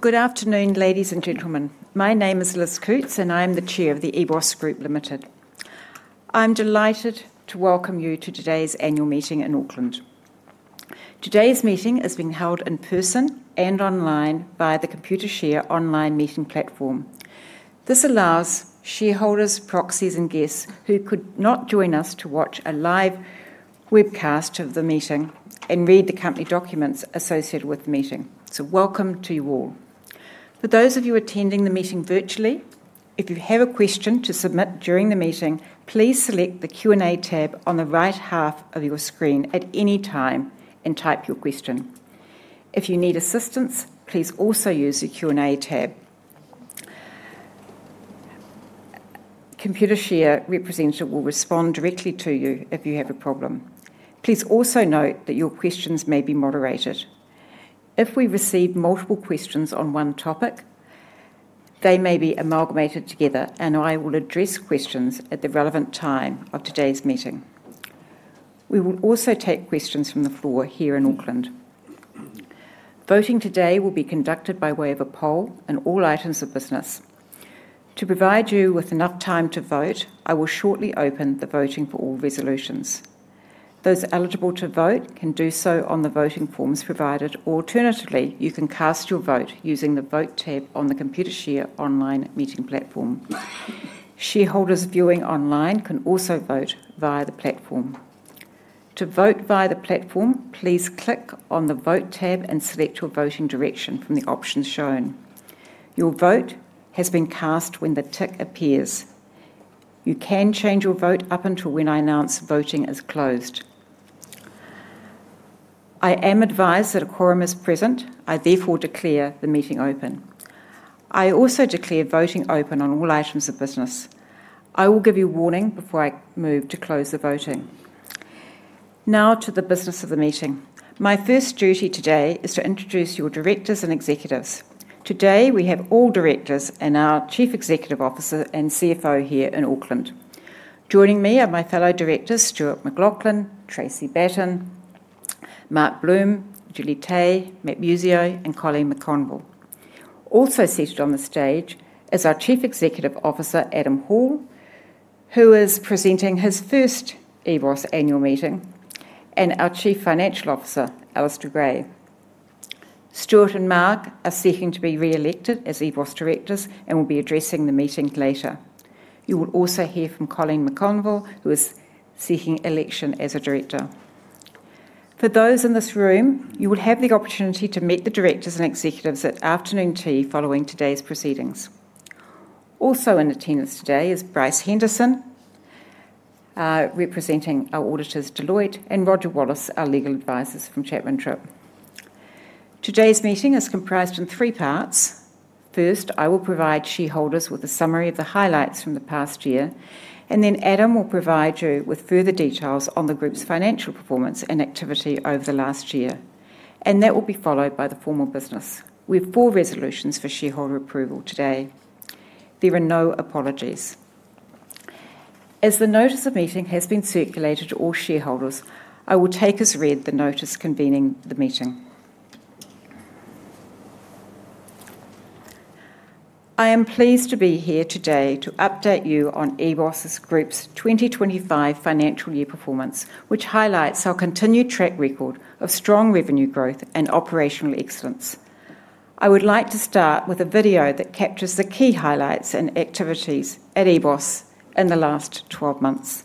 Good afternoon, ladies and gentlemen. My name is Elizabeth Coutts, and I am the Chair of EBOS Group Limited. I'm delighted to welcome you to today's annual meeting in Auckland. Today's meeting is being held in person and online via the Computershare online meeting platform. This allows shareholders, proxies, and guests who could not join us to watch a live webcast of the meeting and read the company documents associated with the meeting. Welcome to you all. For those of you attending the meeting virtually, if you have a question to submit during the meeting, please select the Q&A tab on the right half of your screen at any time and type your question. If you need assistance, please also use the Q&A tab. A Computershare representative will respond directly to you if you have a problem. Please also note that your questions may be moderated. If we receive multiple questions on one topic, they may be amalgamated together, and I will address questions at the relevant time of today's meeting. We will also take questions from the floor here in Auckland. Voting today will be conducted by way of a poll on all items of business. To provide you with enough time to vote, I will shortly open the voting for all resolutions. Those eligible to vote can do so on the voting forms provided, or alternatively, you can cast your vote using the vote tab on the Computershare online meeting platform. Shareholders viewing online can also vote via the platform. To vote via the platform, please click on the vote tab and select your voting direction from the options shown. Your vote has been cast when the tick appears. You can change your vote up until when I announce voting is closed. I am advised that a quorum is present. I therefore declare the meeting open. I also declare voting open on all items of business. I will give you a warning before I move to close the voting. Now to the business of the meeting. My first duty today is to introduce your directors and executives. Today we have all directors and our Chief Executive Officer and CFO here in Auckland. Joining me are my fellow directors, Stuart McLauchlan, Tracey Batten, Mark Bloom, Julie Tay, Matt Muscio, and Coline McConville. Also seated on the stage is our Chief Executive Officer, Adam Hall, who is presenting his first EBOS annual meeting, and our Chief Financial Officer, Alistair Gray. Stuart and Mark are seeking to be re-elected as EBOS directors and will be addressing the meeting later. You will also hear from Coline McConville, who is seeking election as a director. For those in this room, you will have the opportunity to meet the directors and executives at afternoon tea following today's proceedings. Also in attendance today is Bryce Henderson, representing our auditors, Deloitte, and Roger Wallace, our legal advisor from Chapman Tripp. Today's meeting is comprised of three parts. First, I will provide shareholders with a summary of the highlights from the past year, and then Adam will provide you with further details on the group's financial performance and activity over the last year, and that will be followed by the formal business. We have four resolutions for shareholder approval today. There are no apologies. As the notice of meeting has been circulated to all shareholders, I will take as read the notice convening the meeting. I am pleased to be here today to update you on EBOS Group's 2025 financial year performance, which highlights our continued track record of strong revenue growth and operational excellence. I would like to start with a video that captures the key highlights and activities at EBOS in the last 12 months.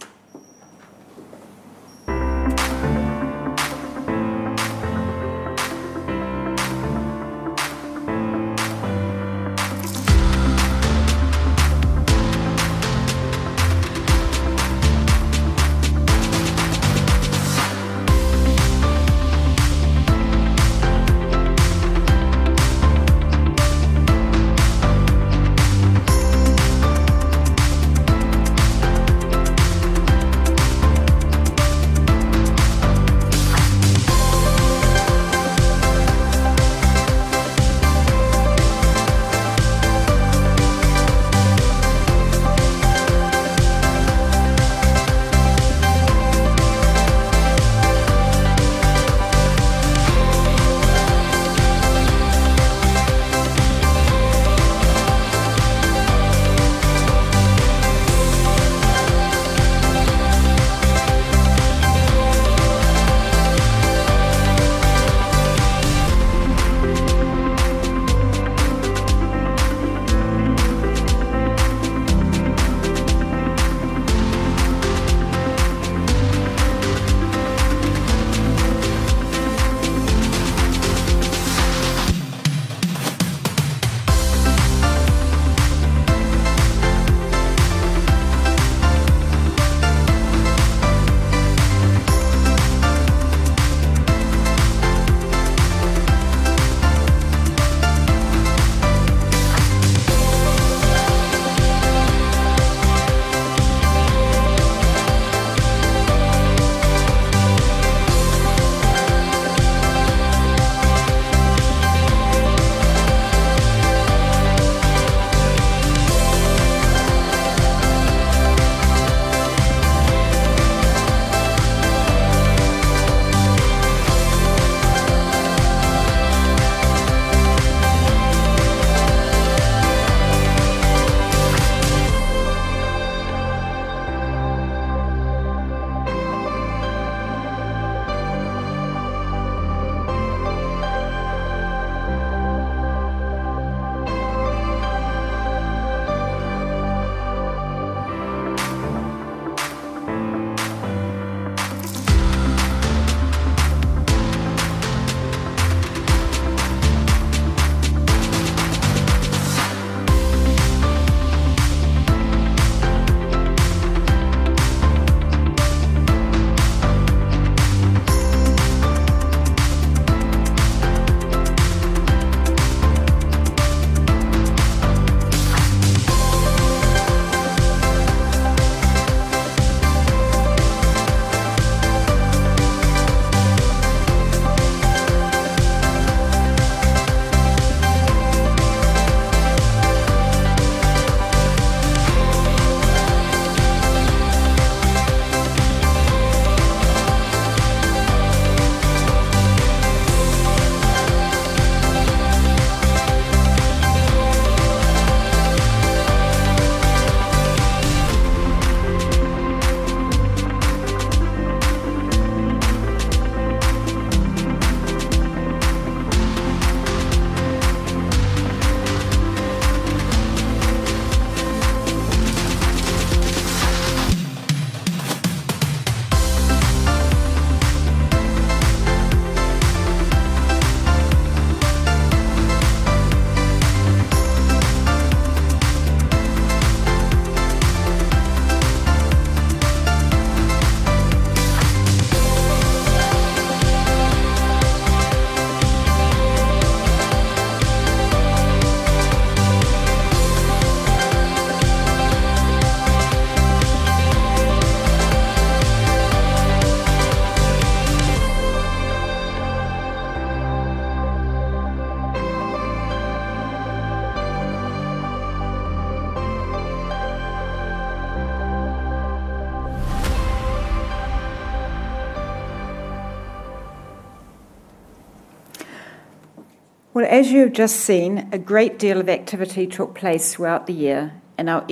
As you have just seen, a great deal of activity took place throughout the year, and our FY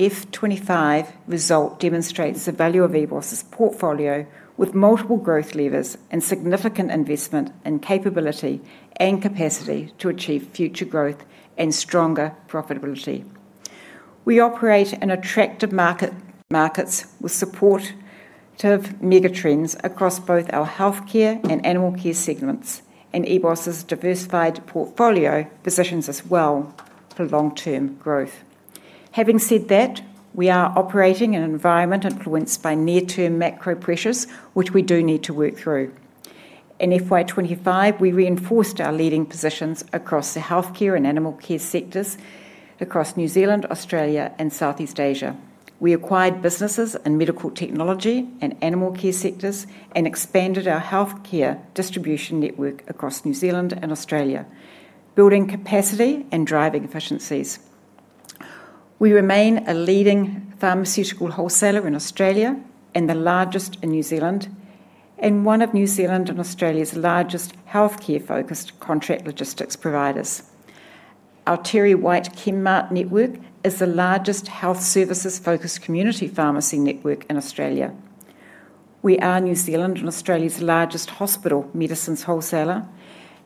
2025 result demonstrates the value of EBOS's portfolio with multiple growth levers and significant investment in capability and capacity to achieve future growth and stronger profitability. We operate in attractive markets with supportive megatrends across both our healthcare and animal care segments, and EBOS's diversified portfolio positions us well for long-term growth. Having said that, we are operating in an environment influenced by near-term macro pressures, which we do need to work through. In FY 2025, we reinforced our leading positions across the healthcare and animal care sectors across New Zealand, Australia, and Southeast Asia. We acquired businesses in medical technology and animal care sectors and expanded our healthcare distribution network across New Zealand and Australia, building capacity and driving efficiencies. We remain a leading pharmaceutical wholesaler in Australia and the largest in New Zealand and one of New Zealand and Australia's largest healthcare-focused contract logistics providers. Our TerryWhite Chemmart network is the largest health services-focused community pharmacy network in Australia. We are New Zealand and Australia's largest hospital medicines wholesaler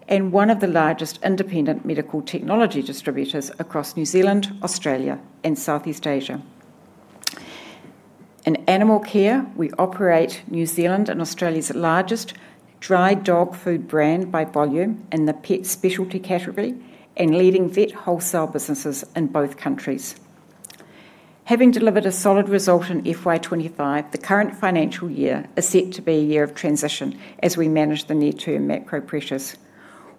and one of the largest independent medical technology distributors across New Zealand, Australia, and Southeast Asia. In animal care, we operate New Zealand and Australia's largest dry dog food brand by volume in the pet specialty category and leading vet wholesale businesses in both countries. Having delivered a solid result in FY 2025, the current financial year is set to be a year of transition as we manage the near-term macro pressures.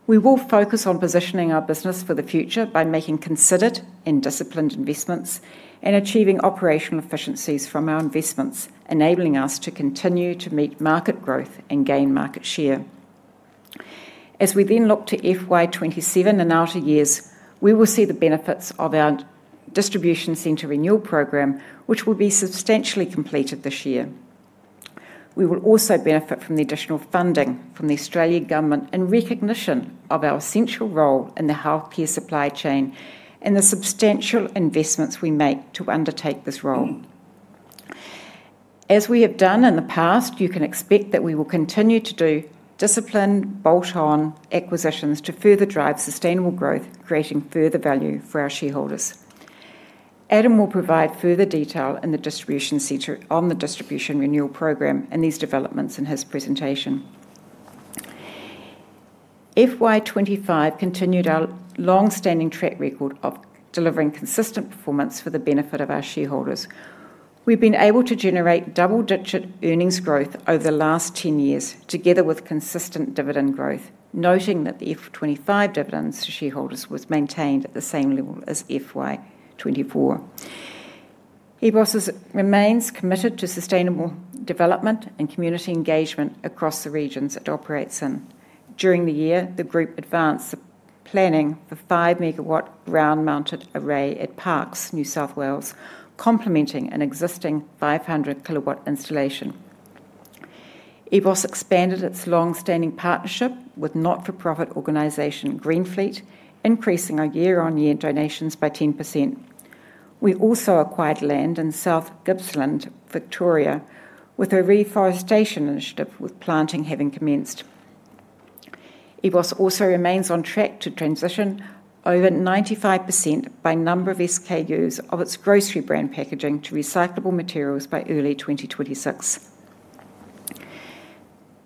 We will focus on positioning our business for the future by making considered and disciplined investments and achieving operational efficiencies from our investments, enabling us to continue to meet market growth and gain market share. As we then look to FY 2027 and outer years, we will see the benefits of our distribution centre renewal program, which will be substantially completed this year. We will also benefit from the additional funding from the Australian government and recognition of our essential role in the healthcare supply chain and the substantial investments we make to undertake this role. As we have done in the past, you can expect that we will continue to do disciplined bolt-on acquisitions to further drive sustainable growth, creating further value for our shareholders. Adam will provide further detail on the distribution centre, on the distribution renewal program, and these developments in his presentation. FY 2025 continued our long-standing track record of delivering consistent performance for the benefit of our shareholders. We've been able to generate double-digit earnings growth over the last 10 years, together with consistent dividend growth, noting that the FY 2025 dividend to shareholders was maintained at the same level as FY 2024. EBOS remains committed to sustainable development and community engagement across the regions it operates in. During the year, the group advanced the planning for a 5 MW ground-mounted array at Parks, New South Wales, complementing an existing 500-kW installation. EBOS expanded its long-standing partnership with not-for-profit organization Green Fleet, increasing our year-on-year donations by 10%. We also acquired land in South Gippsland, Victoria, with a reforestation initiative with planting having commenced. EBOS also remains on track to transition over 95% by number of SKUs of its grocery brand packaging to recyclable materials by early 2026.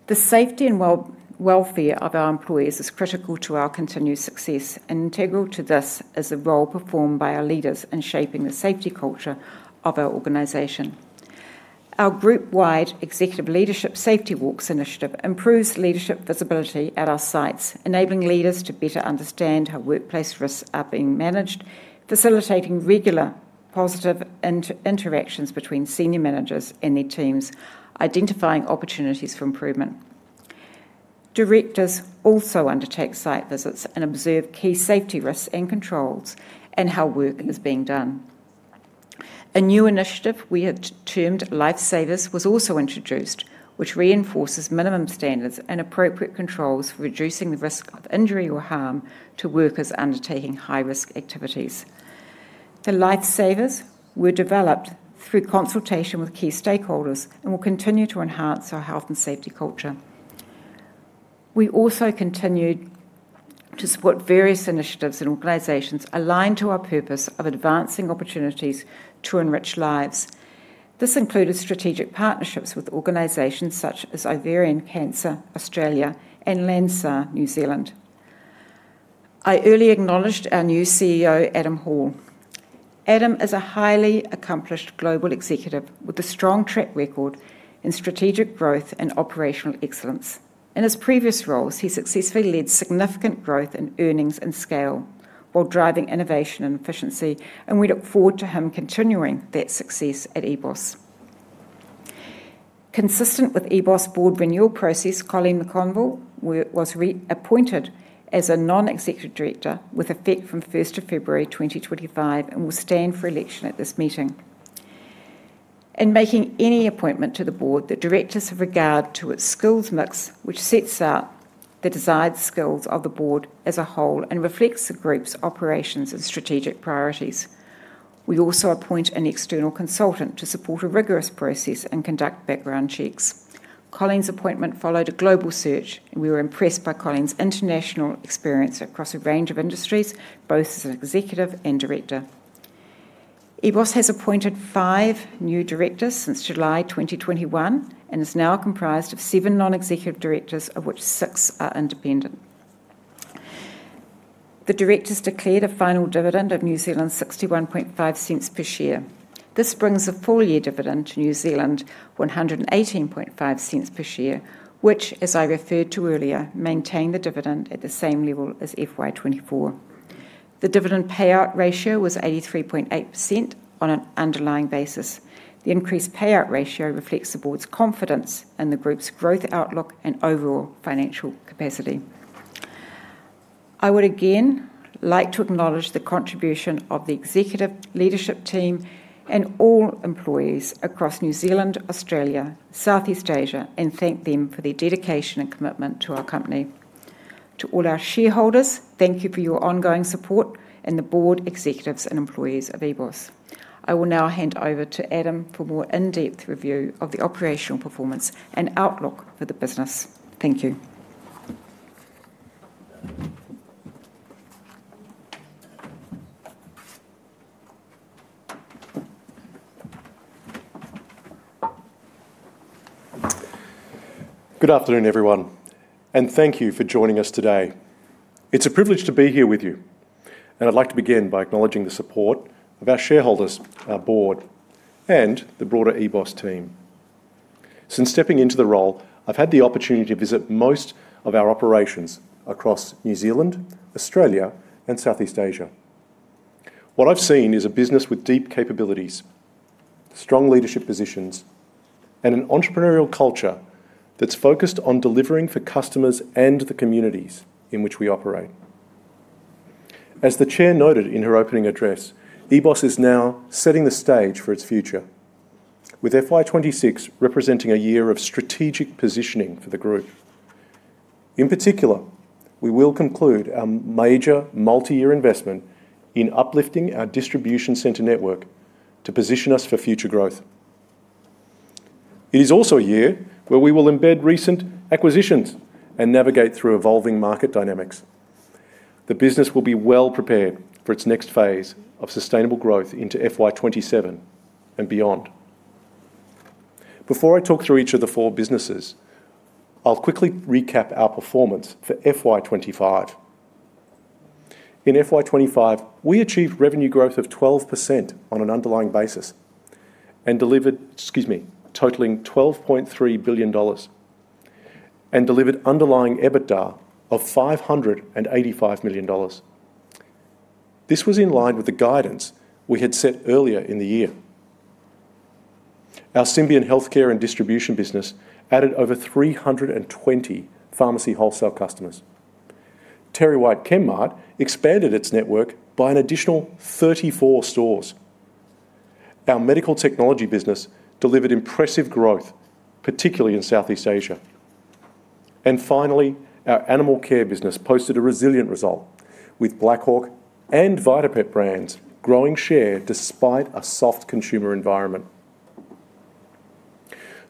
The safety and welfare of our employees is critical to our continued success, and integral to this is the role performed by our leaders in shaping the safety culture of our organization. Our group-wide Executive Leadership Safety Walks initiative improves leadership visibility at our sites, enabling leaders to better understand how workplace risks are being managed, facilitating regular positive interactions between senior managers and their teams, and identifying opportunities for improvement. Directors also undertake site visits and observe key safety risks and controls and how work is being done. A new initiative we have termed Lifesavers was also introduced, which reinforces minimum standards and appropriate controls for reducing the risk of injury or harm to workers undertaking high-risk activities. The Lifesavers were developed through consultation with key stakeholders and will continue to enhance our health and safety culture. We also continue to support various initiatives and organizations aligned to our purpose of advancing opportunities to enrich lives. This included strategic partnerships with organizations such as Ovarian Cancer Australia and Lansar, New Zealand. I earlier acknowledged our new CEO, Adam Hall. Adam is a highly accomplished global executive with a strong track record in strategic growth and operational excellence. In his previous roles, he successfully led significant growth in earnings and scale while driving innovation and efficiency, and we look forward to him continuing that success at EBOS. Consistent with EBOS's board renewal process, Coline McConville was reappointed as a Non-Executive Director with effect from 1st of February, 2025 and will stand for election at this meeting. In making any appointment to the board, the directors have regard to its skills mix, which sets out the desired skills of the board as a whole and reflects the group's operations and strategic priorities. We also appoint an external consultant to support a rigorous process and conduct background checks. Coline's appointment followed a global search, and we were impressed by Coline's international experience across a range of industries, both as an executive and director. EBOS has appointed five new directors since July 2021 and is now comprised of seven Non-Executive Directors, of which six are independent. The directors declared a final dividend of 61.50 per share. This brings a full-year dividend to 118.50 per share, which, as I referred to earlier, maintained the dividend at the same level as FY 2024. The dividend payout ratio was 83.8% on an underlying basis. The increased payout ratio reflects the board's confidence in the group's growth outlook and overall financial capacity. I would again like to acknowledge the contribution of the executive leadership team and all employees across New Zealand, Australia, and Southeast Asia, and thank them for their dedication and commitment to our company. To all our shareholders, thank you for your ongoing support and the board, executives, and employees of EBOS. I will now hand over to Adam for more in-depth review of the operational performance and outlook for the business. Thank you. Good afternoon, everyone, and thank you for joining us today. It's a privilege to be here with you, and I'd like to begin by acknowledging the support of our shareholders, our board, and the broader EBOS team. Since stepping into the role, I've had the opportunity to visit most of our operations across New Zealand, Australia, and Southeast Asia. What I've seen is a business with deep capabilities, strong leadership positions, and an entrepreneurial culture that's focused on delivering for customers and the communities in which we operate. As the Chair noted in her opening address, EBOS is now setting the stage for its future, with FY 2026 representing a year of strategic positioning for the group. In particular, we will conclude our major multi-year investment in uplifting our distribution centre network to position us for future growth. It is also a year where we will embed recent acquisitions and navigate through evolving market dynamics. The business will be well prepared for its next phase of sustainable growth into FY 2027 and beyond. Before I talk through each of the four businesses, I'll quickly recap our performance for FY 2025. In FY 2025, we achieved revenue growth of 12% on an underlying basis, totaling 12.3 billion dollars, and delivered underlying EBITDA of 585 million dollars. This was in line with the guidance we had set earlier in the year. Our Symbion healthcare and distribution business added over 320 pharmacy wholesale customers. TerryWhite Chemmart expanded its network by an additional 34 stores. Our medical technology business delivered impressive growth, particularly in Southeast Asia. Finally, our animal care business posted a resilient result, with Black Hawk and VitaPet brands growing share despite a soft consumer environment.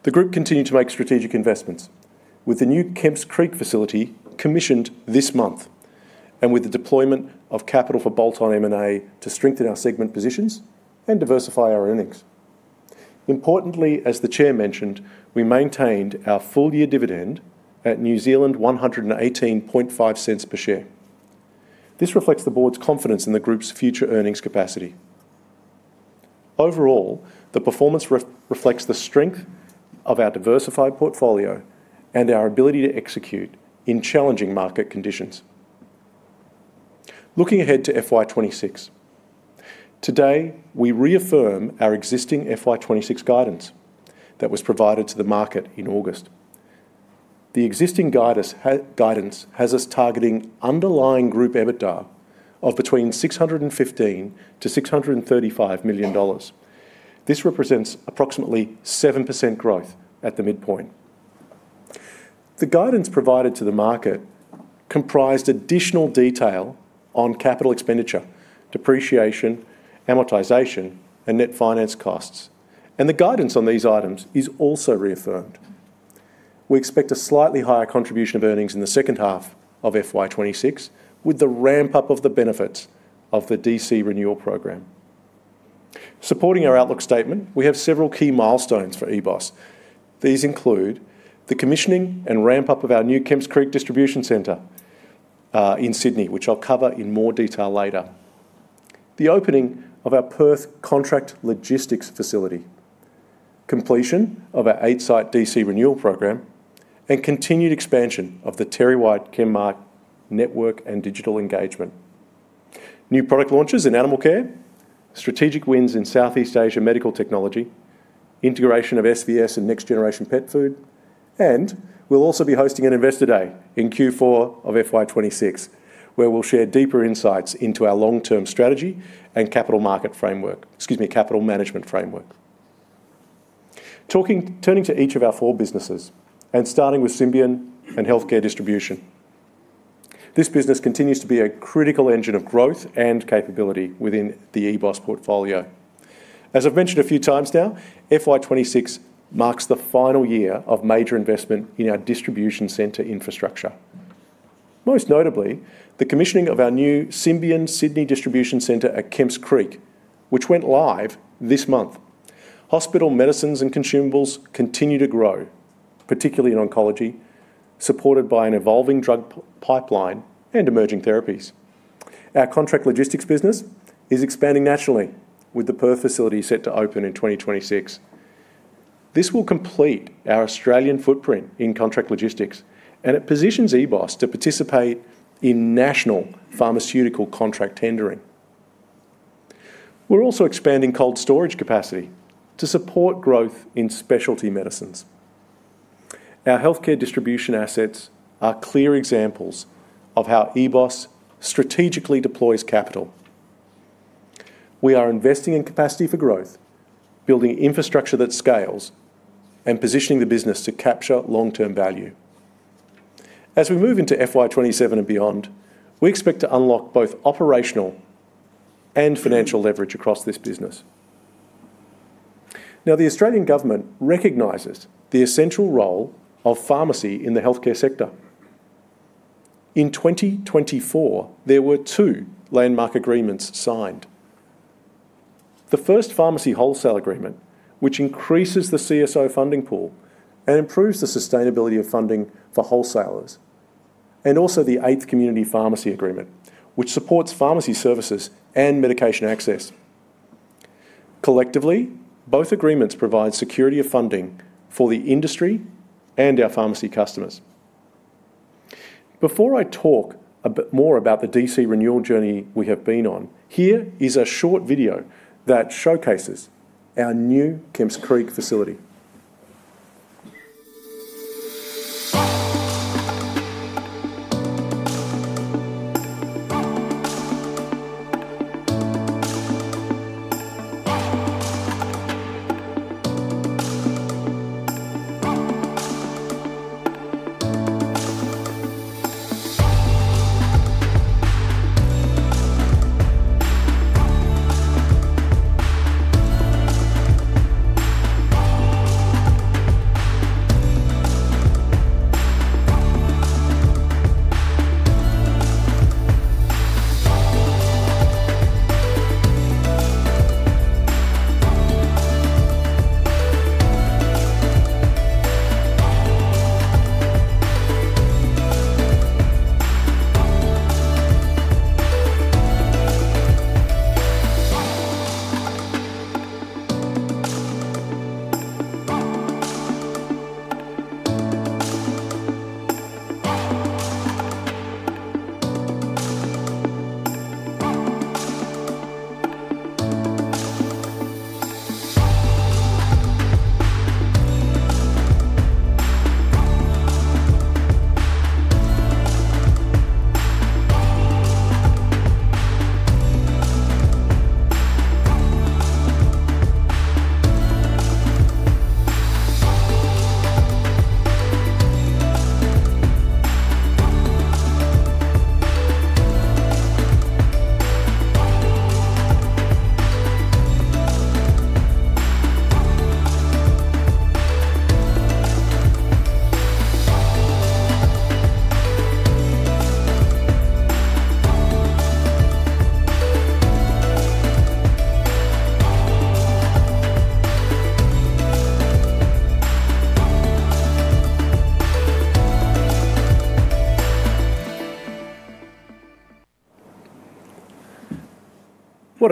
The group continued to make strategic investments with the new Kemp's Creek facility commissioned this month and with the deployment of capital for bolt-on M&A to strengthen our segment positions and diversify our earnings. Importantly, as the Chair mentioned, we maintained our full-year dividend at 118.50 per share. This reflects the board's confidence in the group's future earnings capacity. Overall, the performance reflects the strength of our diversified portfolio and our ability to execute in challenging market conditions. Looking ahead to FY 2026, today we reaffirm our existing FY 2026 guidance that was provided to the market in August. The existing guidance has us targeting underlying group EBITDA of between 615 million-635 million dollars. This represents approximately 7% growth at the midpoint. The guidance provided to the market comprised additional detail on capital expenditure, depreciation, amortization, and net finance costs, and the guidance on these items is also reaffirmed. We expect a slightly higher contribution of earnings in the second half of FY 2026, with the ramp-up of the benefits of the DC renewal program. Supporting our outlook statement, we have several key milestones for EBOS. These include the commissioning and ramp-up of our new Kemp’s Creek distribution center in Sydney, which I'll cover in more detail later, the opening of our Perth contract logistics facility, completion of our eight-site DC renewal program, continued expansion of the TerryWhite Chemmart network and digital engagement, new product launches in animal care, strategic wins in Southeast Asia medical technology, integration of SVS and Next Generation Pet Foods, and we’ll also be hosting an Investor Day in Q4 of FY 2026, where we’ll share deeper insights into our long-term strategy and capital management framework. Turning to each of our four businesses and starting with Symbion and healthcare distribution, this business continues to be a critical engine of growth and capability within the EBOS portfolio. As I’ve mentioned a few times now, FY 2026 marks the final year of major investment in our distribution center infrastructure. Most notably, the commissioning of our new Symbion Sydney distribution center at Kemp’s Creek, which went live this month. Hospital medicines and consumables continue to grow, particularly in oncology, supported by an evolving drug pipeline and emerging therapies. Our contract logistics business is expanding naturally, with the Perth facility set to open in 2026. This will complete our Australian footprint in contract logistics, and it positions EBOS to participate in national pharmaceutical contract tendering. We’re also expanding cold storage capacity to support growth in specialty medicines. Our healthcare distribution assets are clear examples of how EBOS strategically deploys capital. We are investing in capacity for growth, building infrastructure that scales, and positioning the business to capture long-term value. As we move into FY 2027 and beyond, we expect to unlock both operational and financial leverage across this business. Now, the Australian government recognizes the essential role of pharmacy in the healthcare sector. In 2024, there were two landmark agreements signed. The First Pharmacy Wholesaler Agreement increases the CSO funding pool and improves the sustainability of funding for wholesalers, and also the Eighth Community Pharmacy Agreement supports pharmacy services and medication access. Collectively, both agreements provide security of funding for the industry and our pharmacy customers. Before I talk a bit more about the DC renewal journey we have been on, here is a short video that showcases our new Kemp's Creek facility.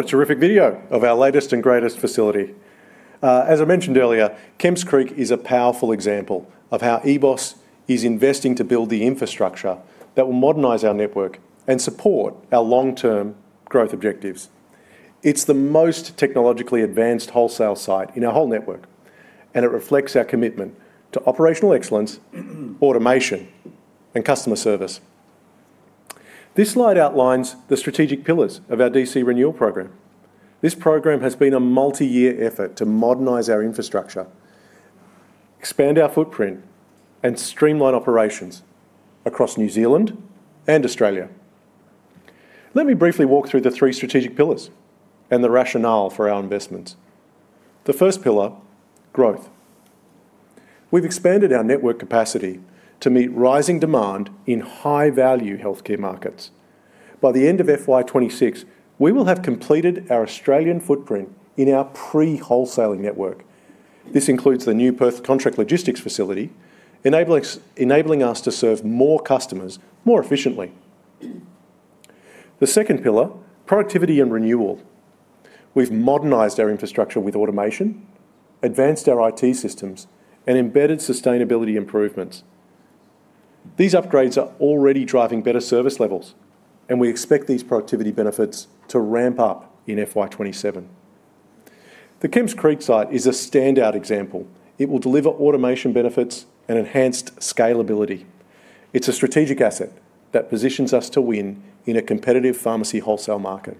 What a terrific video of our latest and greatest facility. As I mentioned earlier, Kemp's Creek is a powerful example of how EBOS is investing to build the infrastructure that will modernize our network and support our long-term growth objectives. It's the most technologically advanced wholesale site in our whole network, and it reflects our commitment to operational excellence, automation, and customer service. This slide outlines the strategic pillars of our DC renewal program. This program has been a multi-year effort to modernize our infrastructure, expand our footprint, and streamline operations across New Zealand and Australia. Let me briefly walk through the three strategic pillars and the rationale for our investments. The first pillar, growth. We've expanded our network capacity to meet rising demand in high-value healthcare markets. By the end of FY 2026, we will have completed our Australian footprint in our pre-wholesaling network. This includes the new Perth contract logistics facility, enabling us to serve more customers more efficiently. The second pillar, productivity and renewal. We've modernized our infrastructure with automation, advanced our IT systems, and embedded sustainability improvements. These upgrades are already driving better service levels, and we expect these productivity benefits to ramp up in FY 2027. The Kemp's Creek site is a standout example. It will deliver automation benefits and enhanced scalability. It's a strategic asset that positions us to win in a competitive pharmacy wholesale market.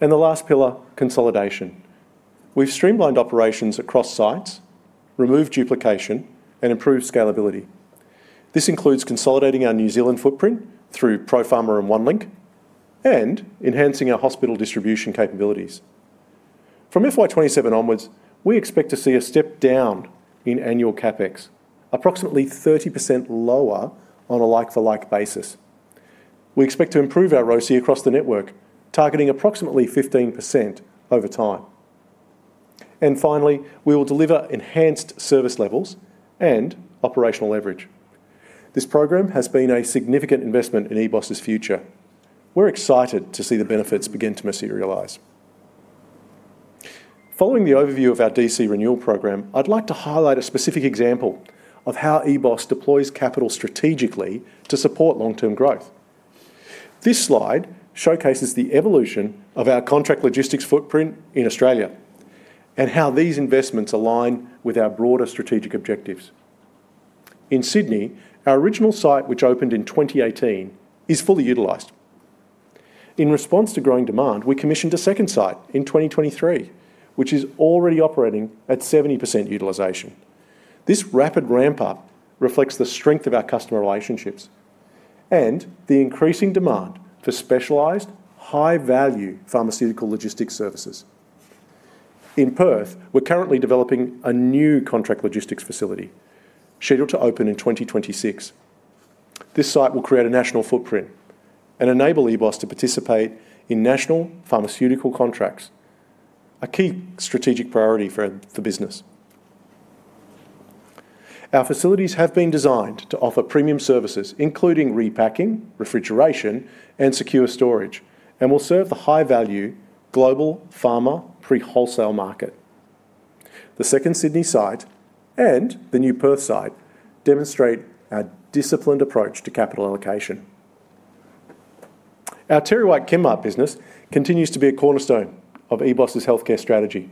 The last pillar, consolidation. We've streamlined operations across sites, removed duplication, and improved scalability. This includes consolidating our New Zealand footprint through ProPharma and Onelink and enhancing our hospital distribution capabilities. From FY 2027 onwards, we expect to see a step down in annual CapEx, approximately 30% lower on a like-for-like basis. We expect to improve our ROCE across the network, targeting approximately 15% over time. Finally, we will deliver enhanced service levels and operational leverage. This program has been a significant investment in EBOS' future. We're excited to see the benefits begin to materialize. Following the overview of our DC renewal program, I'd like to highlight a specific example of how EBOS deploys capital strategically to support long-term growth. This slide showcases the evolution of our contract logistics footprint in Australia and how these investments align with our broader strategic objectives. In Sydney, our original site, which opened in 2018, is fully utilized. In response to growing demand, we commissioned a second site in 2023, which is already operating at 70% utilization. This rapid ramp-up reflects the strength of our customer relationships and the increasing demand for specialized, high-value pharmaceutical logistics services. In Perth, we're currently developing a new contract logistics facility scheduled to open in 2026. This site will create a national footprint and enable EBOS to participate in national pharmaceutical contracts, a key strategic priority for the business. Our facilities have been designed to offer premium services, including repacking, refrigeration, and secure storage, and will serve the high-value global pharma pre-wholesale market. The second Sydney site and the new Perth site demonstrate a disciplined approach to capital allocation. Our TerryWhite Chemmart business continues to be a cornerstone of EBOS' healthcare strategy.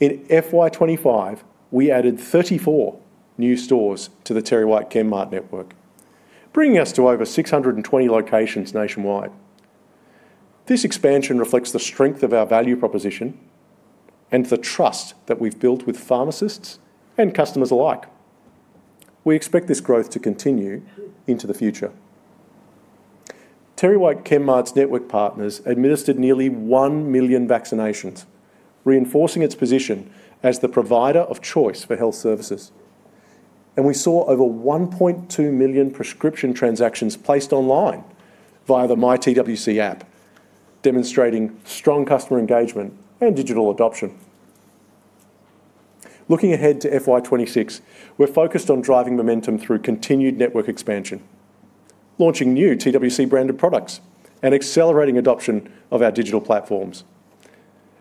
In FY 2025, we added 34 new stores to the TerryWhite Chemmart network, bringing us to over 620 locations nationwide. This expansion reflects the strength of our value proposition and the trust that we've built with pharmacists and customers alike. We expect this growth to continue into the future. TerryWhite Chemmart's network partners administered nearly 1 million vaccinations, reinforcing its position as the provider of choice for health services. We saw over 1.2 million prescription transactions placed online via the MyTWC app, demonstrating strong customer engagement and digital adoption. Looking ahead to FY 2026, we're focused on driving momentum through continued network expansion, launching new TWC-branded products, and accelerating adoption of our digital platforms.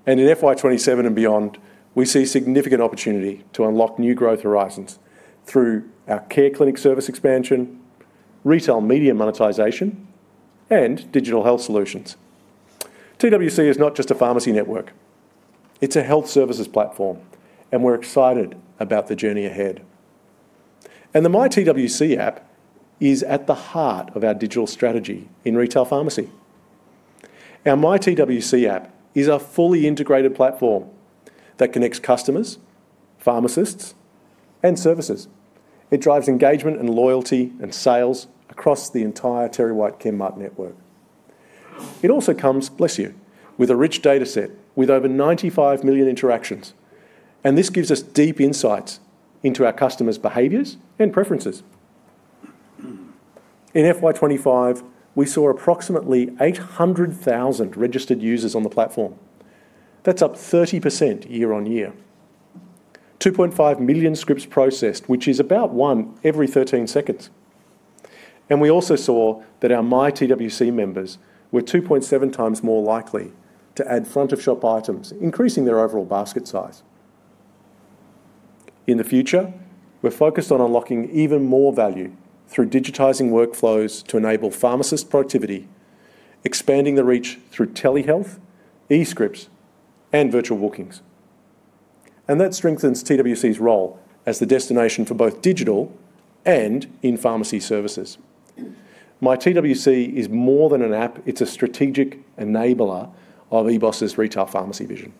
In FY 2027 and beyond, we see significant opportunity to unlock new growth horizons through our care clinic service expansion, retail media monetization, and digital health solutions. TWC is not just a pharmacy network. It's a health services platform, and we're excited about the journey ahead. The MyTWC app is at the heart of our digital strategy in retail pharmacy. Our MyTWC app is a fully integrated platform that connects customers, pharmacists, and services. It drives engagement, loyalty, and sales across the entire TerryWhite Chemmart network. It also comes, bless you, with a rich dataset with over 95 million interactions, and this gives us deep insights into our customers' behaviors and preferences. In FY 2025, we saw approximately 800,000 registered users on the platform. That's up 30% year on year. 2.5 million scripts processed, which is about one every 13 seconds. We also saw that our MyTWC members were 2.7x more likely to add front-of-shop items, increasing their overall basket size. In the future, we're focused on unlocking even more value through digitizing workflows to enable pharmacists' productivity, expanding the reach through telehealth, e-scripts, and virtual bookings. That strengthens TWC's role as the destination for both digital and in-pharmacy services. MyTWC is more than an app. It's a strategic enabler of EBOS' retail pharmacy vision.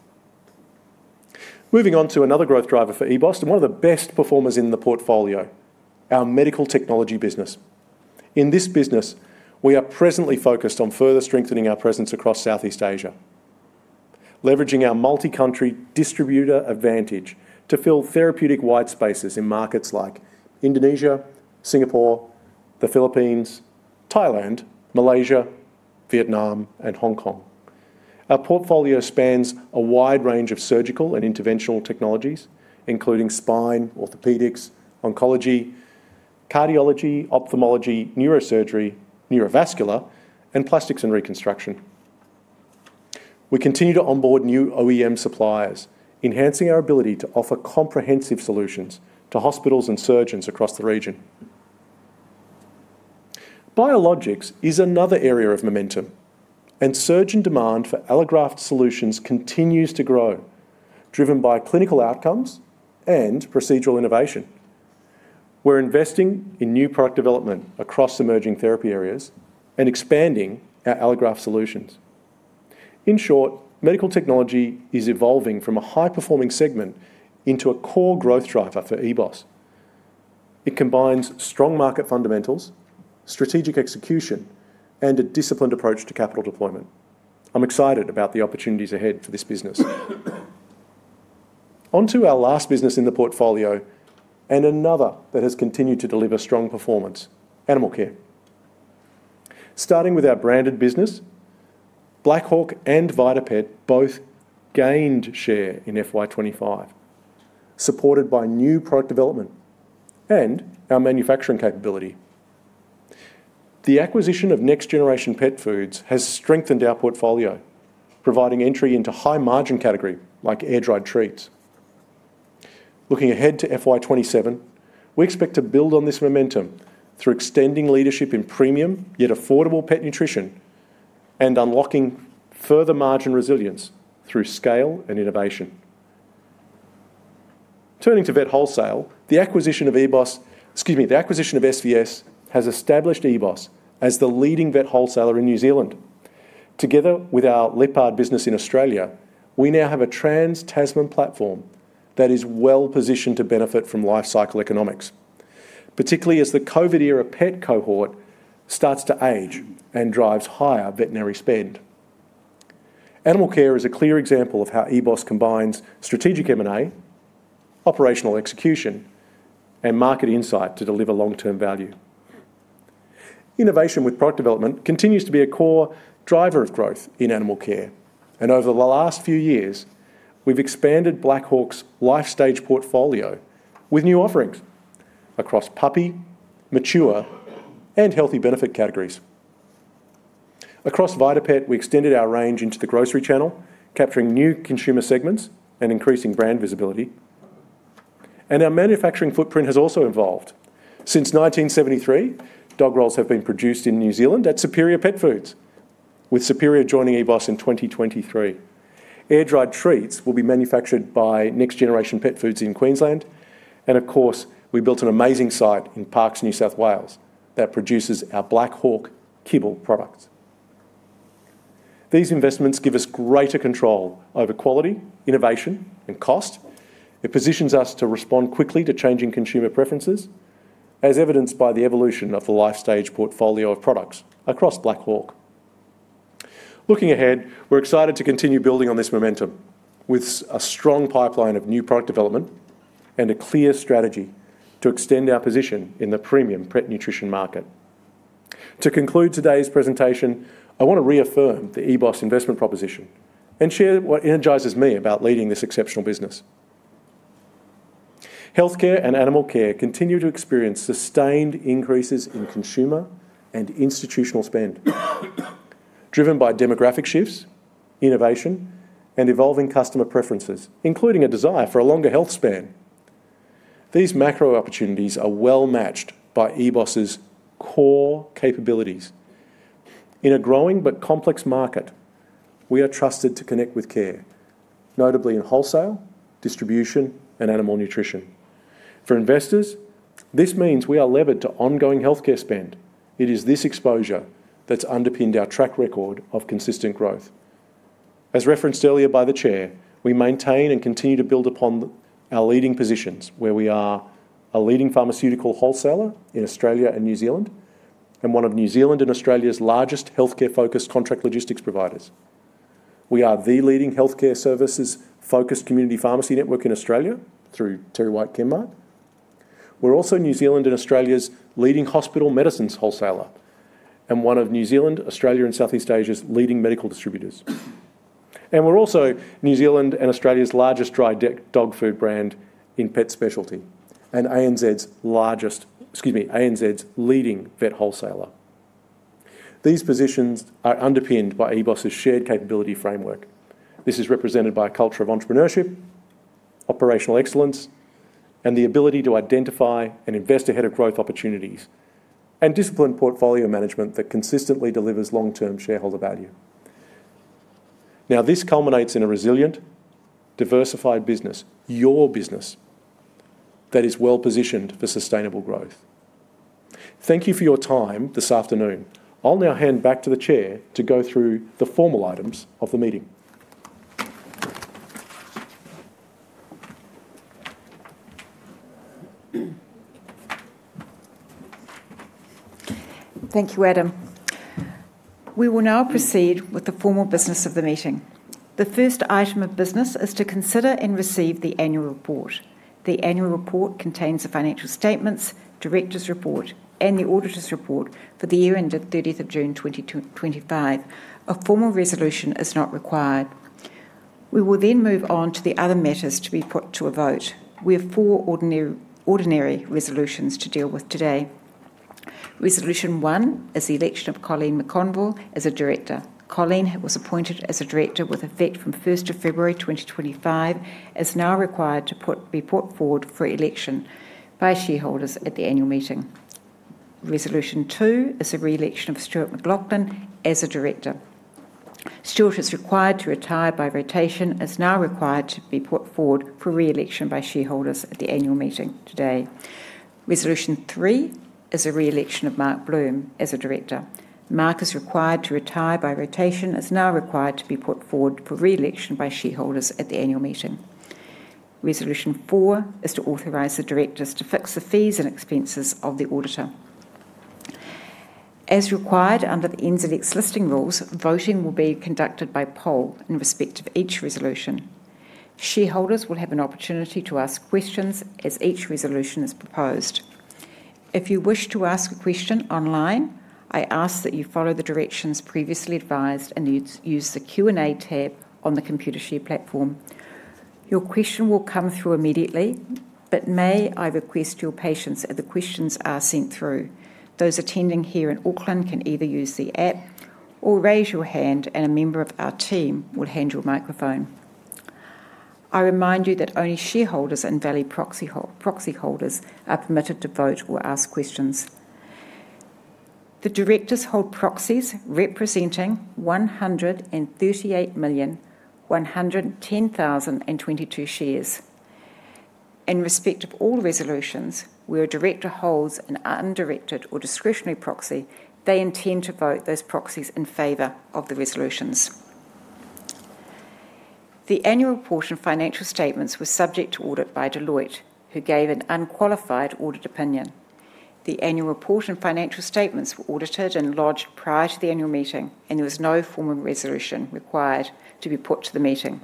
Moving on to another growth driver for EBOS and one of the best performers in the portfolio, our medical technology business. In this business, we are presently focused on further strengthening our presence across Southeast Asia, leveraging our multi-country distributor advantage to fill therapeutic white spaces in markets like Indonesia, Singapore, the Philippines, Thailand, Malaysia, Vietnam, and Hong Kong. Our portfolio spans a wide range of surgical and interventional technologies, including spine, orthopedics, oncology, cardiology, ophthalmology, neurosurgery, neurovascular, and plastics and reconstruction. We continue to onboard new OEM suppliers, enhancing our ability to offer comprehensive solutions to hospitals and surgeons across the region. Biologics is another area of momentum, and surgeon demand for allograft solutions continues to grow, driven by clinical outcomes and procedural innovation. We're investing in new product development across emerging therapy areas and expanding our allograft solutions. In short, medical technology is evolving from a high-performing segment into a core growth driver for EBOS. It combines strong market fundamentals, strategic execution, and a disciplined approach to capital deployment. I'm excited about the opportunities ahead for this business. Onto our last business in the portfolio and another that has continued to deliver strong performance, animal care. Starting with our branded business, Black Hawk and VitaPet both gained share in FY 2025, supported by new product development and our manufacturing capability. The acquisition of Next Generation Pet Foods has strengthened our portfolio, providing entry into high-margin categories like air-dried treats. Looking ahead to FY 2027, we expect to build on this momentum through extending leadership in premium yet affordable pet nutrition and unlocking further margin resilience through scale and innovation. Turning to vet wholesale, the acquisition of SVS has established EBOS as the leading vet wholesaler in New Zealand. Together with our Lyppard business in Australia, we now have a trans-Tasman platform that is well positioned to benefit from lifecycle economics, particularly as the COVID-era pet cohort starts to age and drives higher veterinary spend. Animal care is a clear example of how EBOS combines strategic M&A, operational execution, and market insight to deliver long-term value. Innovation with product development continues to be a core driver of growth in animal care, and over the last few years, we've expanded Black Hawk's life-stage portfolio with new offerings across puppy, mature, and healthy benefit categories. Across VitaPet, we extended our range into the grocery channel, capturing new consumer segments and increasing brand visibility. Our manufacturing footprint has also evolved. Since 1973, dog rolls have been produced in New Zealand at Superior Pet Foods, with Superior joining EBOS in 2023. Air-dried treats will be manufactured by Next Generation Pet Foods in Queensland, and of course, we built an amazing site in Parkes, New South Wales that produces our Black Hawk Kibble products. These investments give us greater control over quality, innovation, and cost. It positions us to respond quickly to changing consumer preferences, as evidenced by the evolution of the life-stage portfolio of products across Black Hawk. Looking ahead, we're excited to continue building on this momentum with a strong pipeline of new product development and a clear strategy to extend our position in the premium pet nutrition market. To conclude today's presentation, I want to reaffirm the EBOS investment proposition and share what energizes me about leading this exceptional business. Healthcare and animal care continue to experience sustained increases in consumer and institutional spend, driven by demographic shifts, innovation, and evolving customer preferences, including a desire for a longer health span. These macro opportunities are well matched by EBOS' core capabilities. In a growing but complex market, we are trusted to connect with care, notably in wholesale, distribution, and animal nutrition. For investors, this means we are levered to ongoing healthcare spend. It is this exposure that's underpinned our track record of consistent growth. As referenced earlier by the Chair, we maintain and continue to build upon our leading positions, where we are a leading pharmaceutical wholesaler in Australia and New Zealand and one of New Zealand and Australia's largest healthcare-focused contract logistics providers. We are the leading healthcare services-focused community pharmacy network in Australia through TerryWhite Chemmart. We're also New Zealand and Australia's leading hospital medicines wholesaler and one of New Zealand, Australia, and Southeast Asia's leading medical distributors. We're also New Zealand and Australia's largest dry dog food brand in pet specialty and ANZ's leading vet wholesaler. These positions are underpinned by EBOS' shared capability framework. This is represented by a culture of entrepreneurship, operational excellence, and the ability to identify and invest ahead of growth opportunities and disciplined portfolio management that consistently delivers long-term shareholder value. This culminates in a resilient, diversified business, your business, that is well positioned for sustainable growth. Thank you for your time this afternoon. I'll now hand back to the Chair to go through the formal items of the meeting. Thank you, Adam. We will now proceed with the formal business of the meeting. The first item of business is to consider and receive the annual report. The annual report contains the financial statements, directors' report, and the auditor's report for the year ended 30th of June, 2025. A formal resolution is not required. We will then move on to the other matters to be put to a vote. We have four ordinary resolutions to deal with today. Resolution one is the election of Coline McConville as a director. Coline, who was appointed as a director with effect from 1st of February, 2025, is now required to be put forward for election by shareholders at the annual meeting. Resolution two is the re-election of Stuart McLauchlan as a director. Stuart, who is required to retire by rotation, is now required to be put forward for re-election by shareholders at the annual meeting today. Resolution three is the re-election of Mark Bloom as a director. Mark, who is required to retire by rotation, is now required to be put forward for re-election by shareholders at the annual meeting. Resolution four is to authorize the directors to fix the fees and expenses of the auditor. As required under the NZX listing rules, voting will be conducted by poll in respect of each resolution. Shareholders will have an opportunity to ask questions as each resolution is proposed. If you wish to ask a question online, I ask that you follow the directions previously advised and use the Q&A tab on the Computershare platform. Your question will come through immediately, but may I request your patience as the questions are sent through. Those attending here in Auckland can either use the app or raise your hand, and a member of our team will hand you a microphone. I remind you that only shareholders and valid proxy holders are permitted to vote or ask questions. The directors hold proxies representing 138,110,022 shares. In respect of all resolutions, where a director holds an undirected or discretionary proxy, they intend to vote those proxies in favor of the resolutions. The annual report and financial statements were subject to audit by Deloitte, who gave an unqualified audit opinion. The annual report and financial statements were audited and lodged prior to the annual meeting, and there was no formal resolution required to be put to the meeting.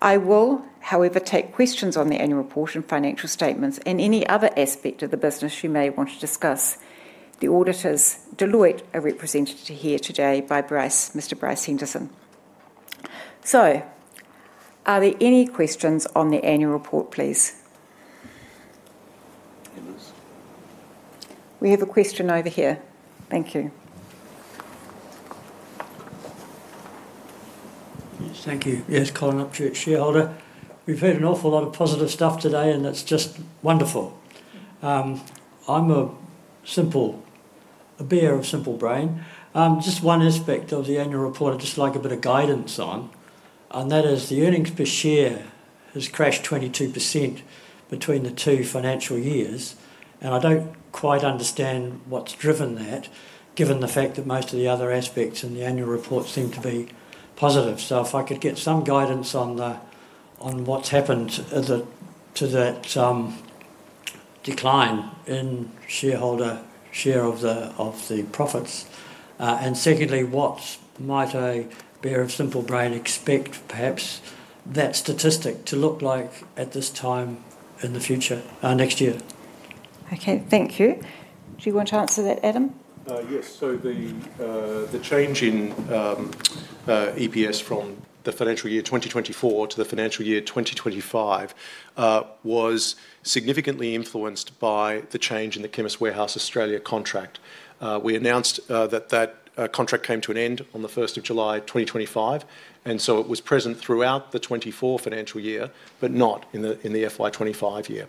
I will, however, take questions on the annual report and financial statements and any other aspect of the business you may want to discuss. The auditors, Deloitte, are represented here today by Mr. Bryce Henderson. Are there any questions on the annual report, please? We have a question over here. Thank you. Yes, thank you. Yes, Colin Upchurch, shareholder. We've heard an awful lot of positive stuff today, and that's just wonderful. I'm a bearer of a simple brain. Just one aspect of the annual report I'd just like a bit of guidance on, and that is the earnings per share has crashed 22% between the two financial years, and I don't quite understand what's driven that, given the fact that most of the other aspects in the annual report seem to be positive. If I could get some guidance on what's happened to that decline in shareholder share of the profits, and secondly, what might a bearer of a simple brain expect perhaps that statistic to look like at this time in the future next year? Okay, thank you. Do you want to answer that, Adam? Yes, so the change in EPS from the financial year 2024 to the financial year 2025 was significantly influenced by the change in the Chemist Warehouse Australia contract. We announced that that contract came to an end on July 1, 2025, and it was present throughout the 2024 financial year, but not in the FY 2025 year.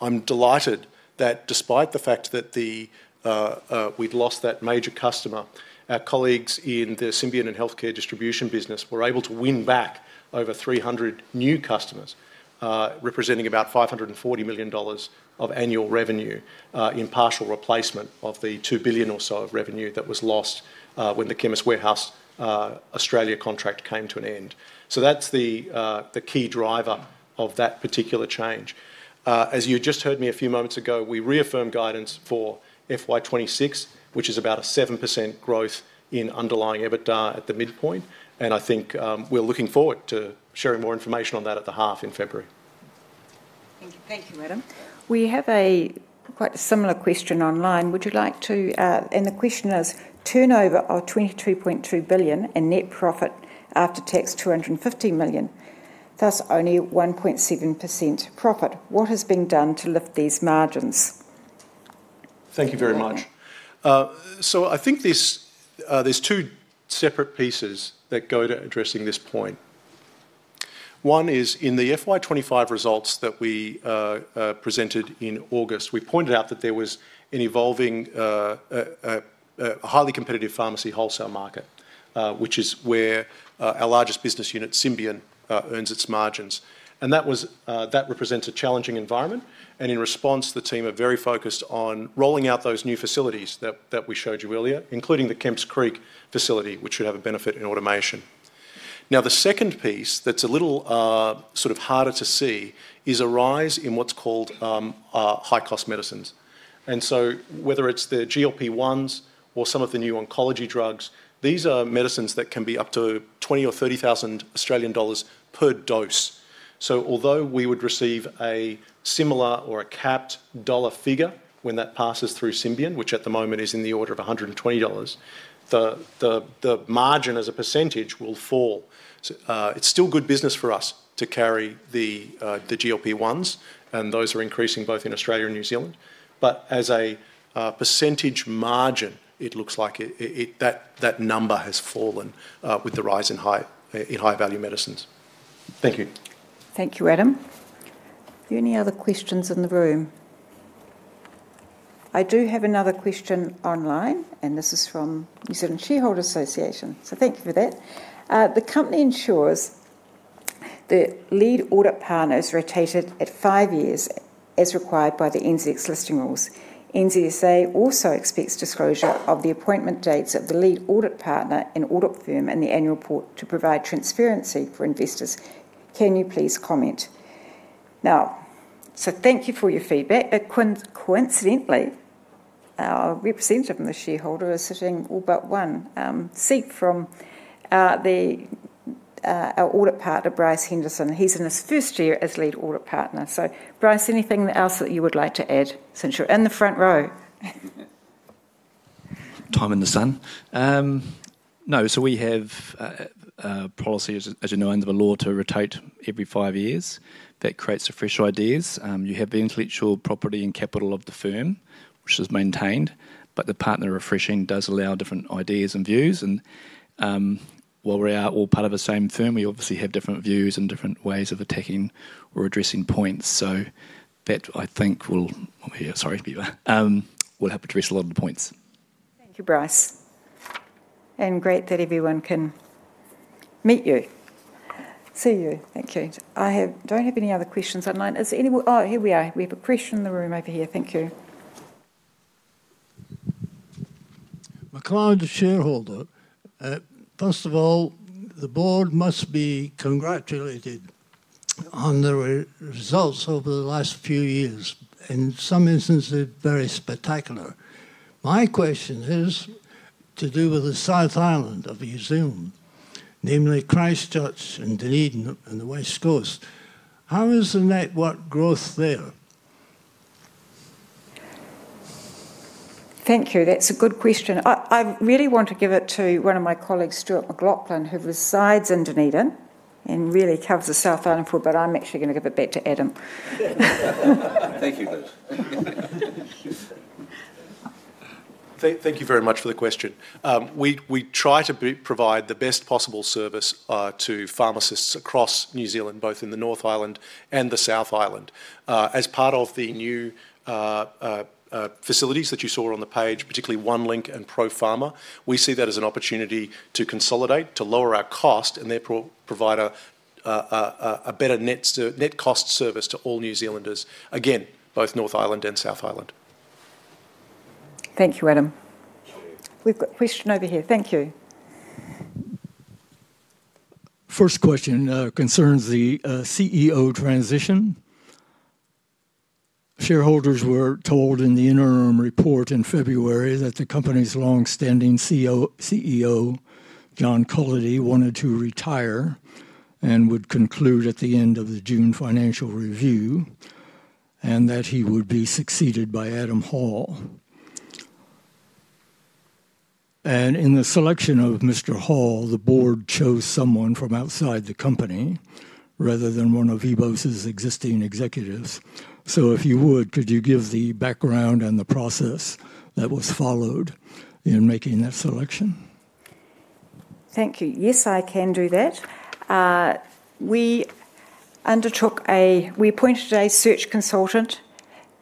I'm delighted that despite the fact that we'd lost that major customer, our colleagues in the Symbion and healthcare distribution business were able to win back over 300 new customers, representing about 540 million dollars of annual revenue, in partial replacement of the 2 billion or so of revenue that was lost when the Chemist Warehouse Australia contract came to an end. That's the key driver of that particular change. As you just heard me a few moments ago, we reaffirmed guidance for FY 2026, which is about a 7% growth in underlying EBITDA at the midpoint, and I think we're looking forward to sharing more information on that at the half in February. Thank you, Adam. We have a quite similar question online. Would you like to, and the question is, turnover of 23.2 billion and net profit after tax 250 million, thus only 1.7% profit. What is being done to lift these margins? Thank you very much. I think there's two separate pieces that go to addressing this point. One is in the FY 2025 results that we presented in August, we pointed out that there was an evolving, highly competitive pharmacy wholesale market, which is where our largest business unit, Symbion, earns its margins. That represents a challenging environment, and in response, the team are very focused on rolling out those new facilities that we showed you earlier, including the Kemp's Creek facility, which should have a benefit in automation. The second piece that's a little sort of harder to see is a rise in what's called high-cost medicines. Whether it's the GLP-1s or some of the new oncology drugs, these are medicines that can be up to 20,000 or NZD 30,000 per dose. Although we would receive a similar or a capped dollar figure when that passes through Symbion, which at the moment is in the order of 120 dollars, the margin as a percentage will fall. It's still good business for us to carry the GLP-1s, and those are increasing both in Australia and New Zealand, but as a percentage margin, it looks like that number has fallen with the rise in high-value medicines. Thank you. Thank you, Adam. Are there any other questions in the room? I do have another question online, and this is from the New Zealand Shareholders Association, so thank you for that. The company ensures that lead audit partners are rotated at five years as required by the NZX listing rules. NZSA also expects disclosure of the appointment dates of the lead audit partner in audit firm and the annual report to provide transparency for investors. Can you please comment? Thank you for your feedback. Coincidentally, our representative and the shareholder are sitting all but one seat from our audit partner, Bryce Henderson. He's in his first year as lead audit partner. Bryce, anything else that you would like to add since you're in the front row? We have a policy, as you know, under the law to rotate every five years. That creates fresh ideas. You have the intellectual property and capital of the firm, which is maintained, but the partner refreshing does allow different ideas and views. While we are all part of the same firm, we obviously have different views and different ways of attacking or addressing points. I think we'll have to address a lot of the points. Thank you, Bryce. Great that everyone can meet you. Thank you. I don't have any other questions online. Is there any, oh, here we are. We have a question in the room over here. Thank you. My client is a shareholder. First of all, the board must be congratulated on the results over the last few years, and in some instances, they're very spectacular. My question is to do with the South Island of New Zealand, namely Christchurch and Dunedin and the West Coast. How is the network growth there? Thank you. That's a good question. I really want to give it to one of my colleagues, Stuart McLauchlan, who resides in Dunedin and really covers the South Island forward, but I'm actually going to give it back to Adam. Thank you, guys. Thank you very much for the question. We try to provide the best possible service to pharmacists across New Zealand, both in the North Island and the South Island. As part of the new facilities that you saw on the page, particularly Onelink and ProPharma, we see that as an opportunity to consolidate, to lower our cost, and therefore provide a better net cost service to all New Zealanders, again, both North Island and South Island. Thank you, Adam. We've got a question over here. Thank you. First question concerns the CEO transition. Shareholders were told in the interim report in February that the company's long-standing CEO, John Cullity, wanted to retire and would conclude at the end of the June financial review and that he would be succeeded by Adam Hall. In the selection of Mr. Hall, the board chose someone from outside the company rather than one of EBOS's existing executives. If you would, could you give the background and the process that was followed in making that selection? Thank you. Yes, I can do that. We appointed a search consultant,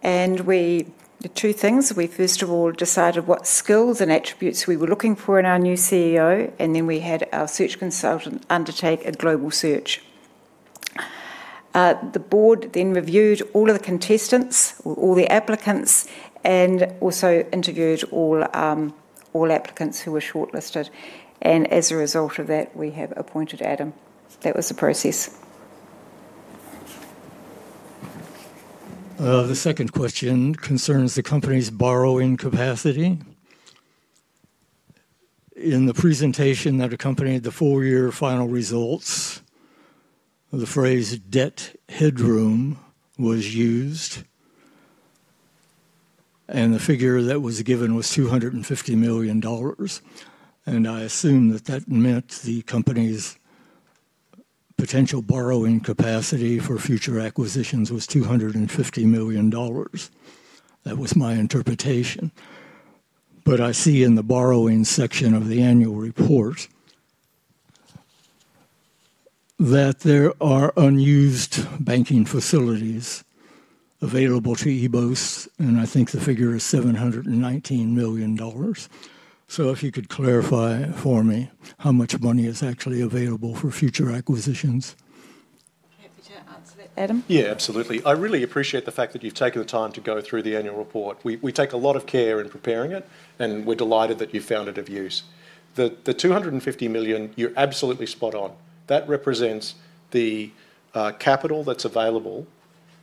and we did two things. We, first of all, decided what skills and attributes we were looking for in our new CEO, and then we had our search consultant undertake a global search. The board then reviewed all of the applicants, and also interviewed all applicants who were shortlisted. As a result of that, we have appointed Adam Hall. That was the process. The second question concerns the company's borrowing capacity. In the presentation that accompanied the four-year final results, the phrase "debt headroom" was used, and the figure that was given was 250 million dollars. I assume that meant the company's potential borrowing capacity for future acquisitions was 250 million dollars. That was my interpretation. I see in the borrowing section of the annual report that there are unused banking facilities available to EBOS, and I think the figure is 719 million dollars. If you could clarify for me how much money is actually available for future acquisitions. Happy to answer that. Adam? Yeah, absolutely. I really appreciate the fact that you've taken the time to go through the annual report. We take a lot of care in preparing it, and we're delighted that you've found it of use. The 250 million, you're absolutely spot on. That represents the capital that's available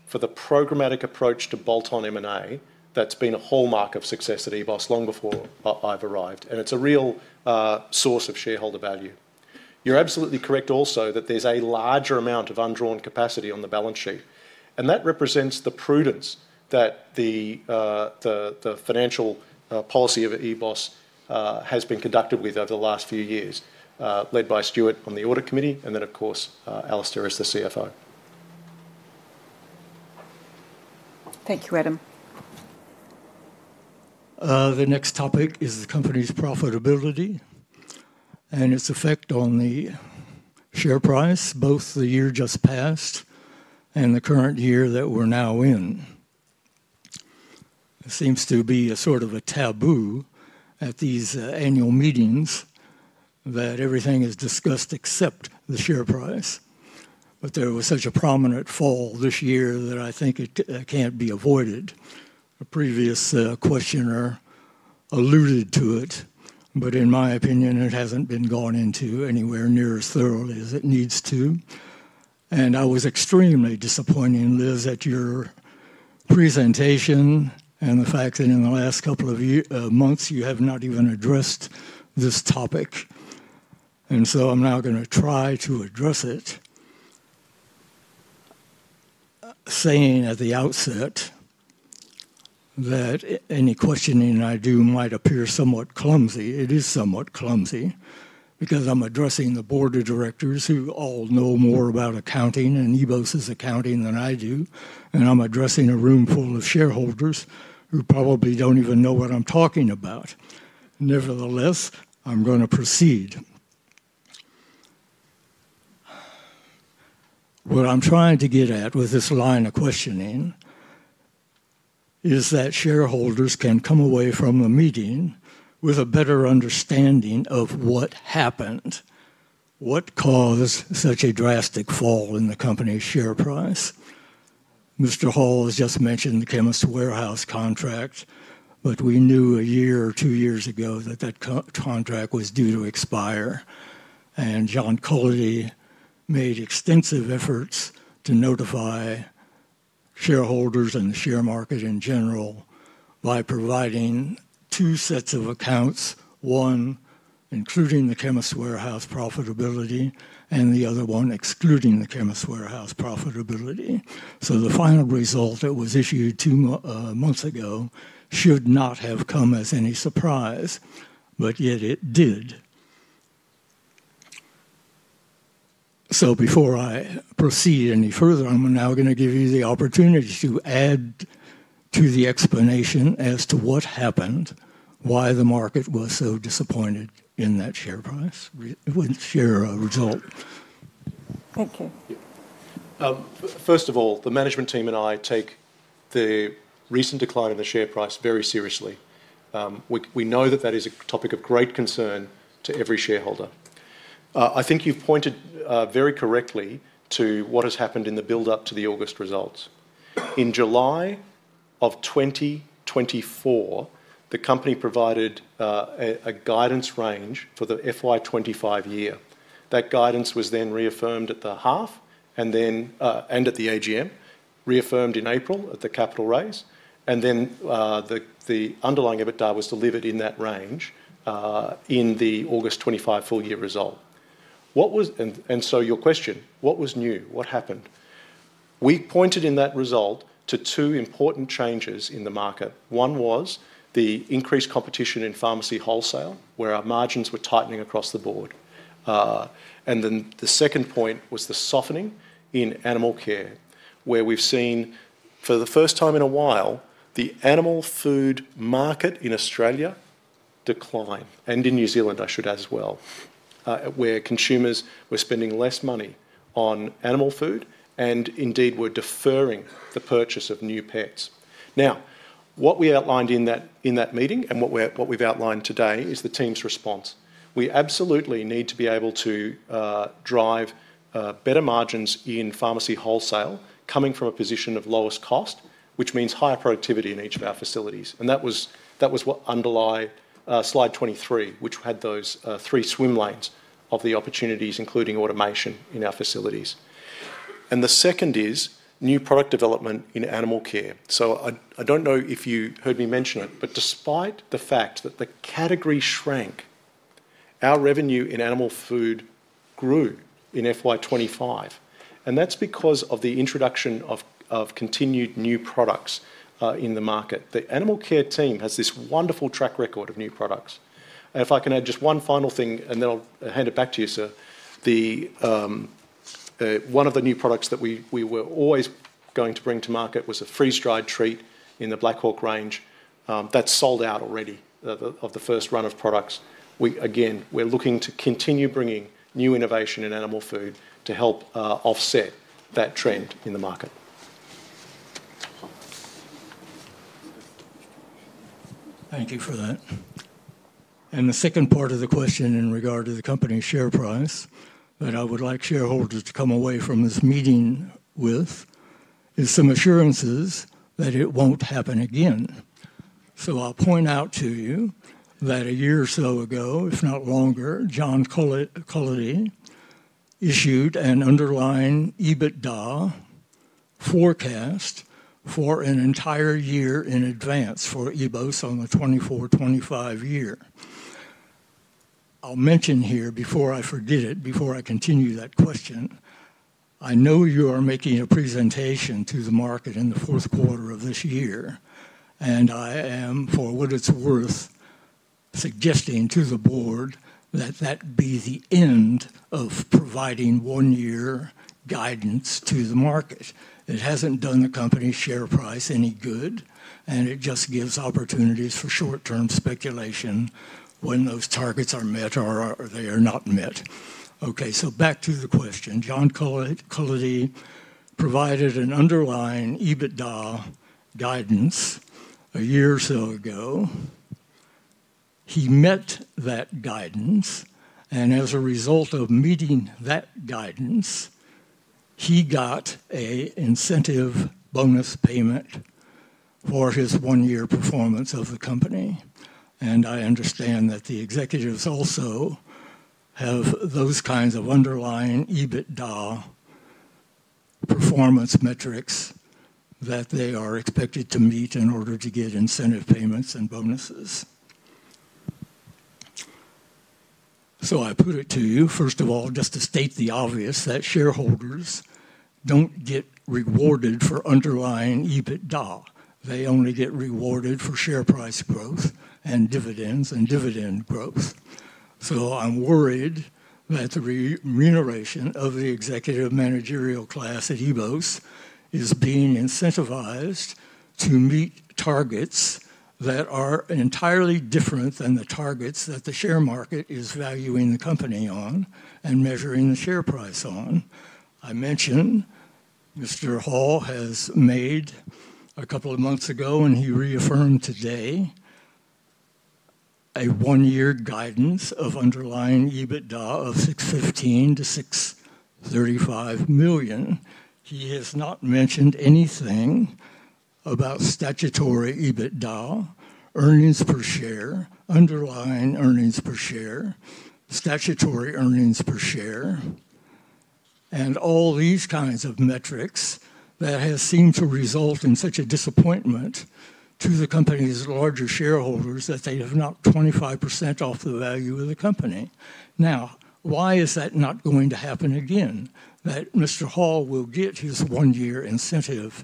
for the programmatic approach to bolt-on M&A that's been a hallmark of success at EBOS long before I've arrived, and it's a real source of shareholder value. You're absolutely correct also that there's a larger amount of undrawn capacity on the balance sheet, and that represents the prudence that the financial policy of EBOS has been conducted with over the last few years, led by Stuart on the Audit Committee, and then, of course, Alistair as the CFO. Thank you, Adam. The next topic is the company's profitability and its effect on the share price, both the year just passed and the current year that we're now in. It seems to be a sort of a taboo at these annual meetings that everything is discussed except the share price, but there was such a prominent fall this year that I think it can't be avoided. A previous questioner alluded to it, but in my opinion, it hasn't been gone into anywhere near as thoroughly as it needs to. I was extremely disappointed, Liz, at your presentation and the fact that in the last couple of months you have not even addressed this topic. I'm now going to try to address it, saying at the outset that any questioning I do might appear somewhat clumsy. It is somewhat clumsy because I'm addressing the Board of Directors who all know more about accounting and EBOS Group's accounting than I do, and I'm addressing a room full of shareholders who probably don't even know what I'm talking about. Nevertheless, I'm going to proceed. What I'm trying to get at with this line of questioning is that shareholders can come away from the meeting with a better understanding of what happened, what caused such a drastic fall in the company's share price. Mr. Hall has just mentioned the Chemist Warehouse contract, but we knew a year or two years ago that that contract was due to expire, and John Cullity made extensive efforts to notify shareholders and the share market in general by providing two sets of accounts, one including the Chemist Warehouse Australia profitability and the other one excluding the Chemist Warehouse profitability. The final result that was issued two months ago should not have come as any surprise, yet it did. Before I proceed any further, I'm now going to give you the opportunity to add to the explanation as to what happened, why the market was so disappointed in that share price, with share result. Thank you. First of all, the management team and I take the recent decline in the share price very seriously. We know that that is a topic of great concern to every shareholder. I think you've pointed very correctly to what has happened in the build-up to the August results. In July of 2024, the company provided a guidance range for the FY 2025 year. That guidance was then reaffirmed at the half and then at the AGM, reaffirmed in April at the capital raise, and then the underlying EBITDA was delivered in that range in the August 2025 full-year result. Your question, what was new? What happened? We pointed in that result to two important changes in the market. One was the increased competition in pharmacy wholesale, where our margins were tightening across the board. The second point was the softening in animal care, where we've seen, for the first time in a while, the animal food market in Australia declined, and in New Zealand, I should add as well, where consumers were spending less money on animal food and indeed were deferring the purchase of new pets. What we outlined in that meeting and what we've outlined today is the team's response. We absolutely need to be able to drive better margins in pharmacy wholesale, coming from a position of lowest cost, which means higher productivity in each of our facilities. That was what underlined slide 23, which had those three swim lanes of the opportunities, including automation in our facilities. The second is new product development in animal care. I don't know if you heard me mention it, but despite the fact that the category shrank, our revenue in animal food grew in FY 2025, and that's because of the introduction of continued new products in the market. The animal care team has this wonderful track record of new products. If I can add just one final thing, and then I'll hand it back to you, sir. One of the new products that we were always going to bring to market was a freeze-dried treat in the Black Hawk range that's sold out already of the first run of products. We're looking to continue bringing new innovation in animal food to help offset that trend in the market. Thank you for that. The second part of the question in regard to the company's share price that I would like shareholders to come away from this meeting with is some assurances that it won't happen again. I'll point out to you that a year or so ago, if not longer, John Cullity issued an underlying EBITDA forecast for an entire year in advance for EBOS on the 2024-2025 year. I'll mention here before I forget it, before I continue that question, I know you are making a presentation to the market in the fourth quarter of this year, and I am, for what it's worth, suggesting to the board that that be the end of providing one-year guidance to the market. It hasn't done the company's share price any good, and it just gives opportunities for short-term speculation when those targets are met or they are not met. Back to the question. John Cullity provided an underlying EBITDA guidance a year or so ago. He met that guidance, and as a result of meeting that guidance, he got an incentive bonus payment for his one-year performance of the company. I understand that the executives also have those kinds of underlying EBITDA performance metrics that they are expected to meet in order to get incentive payments and bonuses. I put it to you, first of all, just to state the obvious, that shareholders don't get rewarded for underlying EBITDA. They only get rewarded for share price growth and dividends and dividend growth. I'm worried that the remuneration of the executive managerial class at EBOS is being incentivized to meet targets that are entirely different than the targets that the share market is valuing the company on and measuring the share price on. I mentioned Mr. Hall has made a couple of months ago, and he reaffirmed today, a one-year guidance of underlying EBITDA of 615 million-635 million. He has not mentioned anything about statutory EBITDA, earnings per share, underlying earnings per share, statutory earnings per share, and all these kinds of metrics that have seemed to result in such a disappointment to the company's larger shareholders that they have knocked 25% off the value of the company. Why is that not going to happen again, that Mr. Hall will get his one-year incentive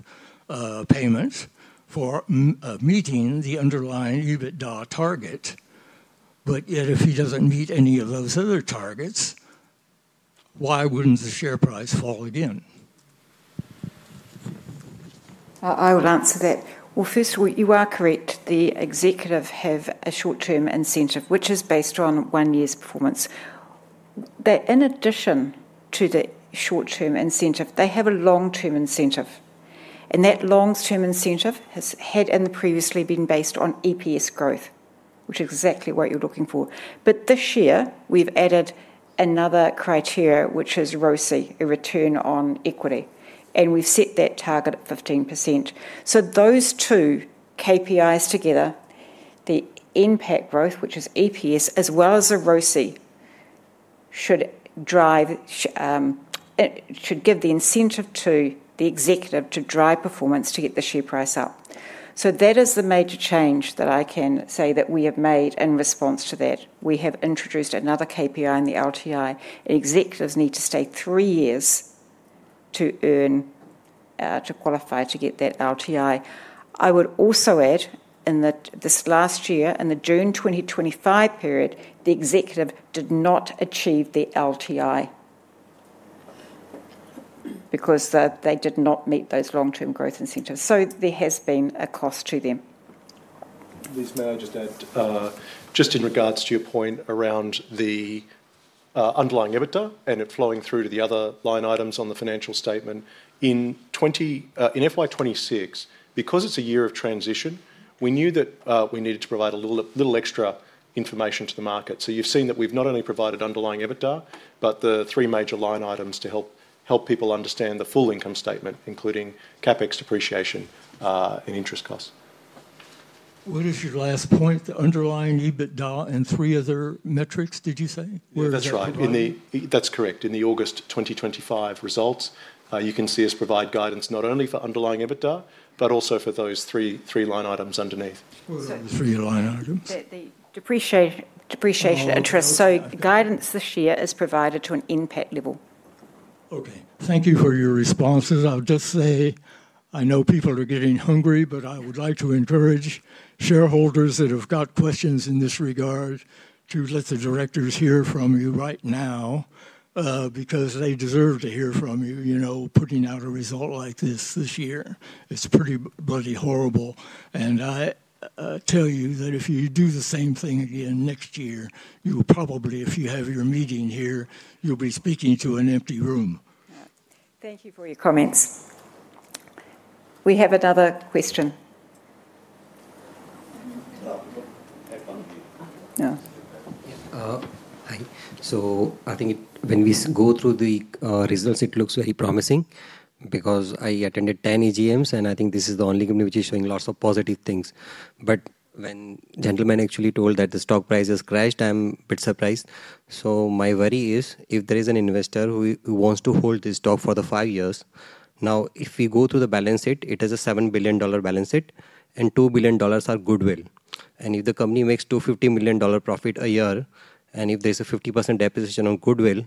payment for meeting the underlying EBITDA target, but yet if he doesn't meet any of those other targets, why wouldn't the share price fall again? I will answer that. First of all, you are correct, the executives have a short-term incentive, which is based on one year's performance. In addition to the short-term incentive, they have a long-term incentive, and that long-term incentive has previously been based on EPS growth, which is exactly what you're looking for. This year, we've added another criteria, which is ROCE, a return on equity, and we've set that target at 15%. Those two KPIs together, the impact growth, which is EPS, as well as the ROCE, should give the incentive to the executive to drive performance to get the share price up. That is the major change that I can say that we have made in response to that. We have introduced another KPI in the LTI, and executives need to stay three years to earn, to qualify to get that LTI. I would also add in that this last year, in the June 2025 period, the executive did not achieve the LTI because they did not meet those long-term growth incentives. There has been a cost to them. Liz, may I just add, just in regards to your point around the underlying EBITDA and it flowing through to the other line items on the financial statement, in FY 2026, because it's a year of transition, we knew that we needed to provide a little extra information to the market. You've seen that we've not only provided underlying EBITDA, but the three major line items to help people understand the full income statement, including CapEx, depreciation, and interest costs. What is your last point? The underlying EBITDA and three other metrics, did you say? That's right. That's correct. In the August 2025 results, you can see us provide guidance not only for underlying EBITDA, but also for those three line items underneath. The three line items? The depreciation interest guidance this year is provided to an impact level. Okay, thank you for your responses. I know people are getting hungry, but I would like to encourage shareholders that have got questions in this regard to let the directors hear from you right now because they deserve to hear from you. You know, putting out a result like this this year, it's pretty bloody horrible. I tell you that if you do the same thing again next year, you will probably, if you have your meeting here, you'll be speaking to an empty room. Thank you for your comments. We have another question. I think when we go through the results, it looks very promising because I attended 10 EGMs, and I think this is the only company which is showing lots of positive things. When the gentleman actually told that the stock price has crashed, I'm a bit surprised. My worry is if there is an investor who wants to hold this stock for five years, now if we go through the balance sheet, it has a 7 billion dollar balance sheet, and 2 billion dollars are goodwill. If the company makes 250 million dollar profit a year, and if there's a 50% deposition on goodwill,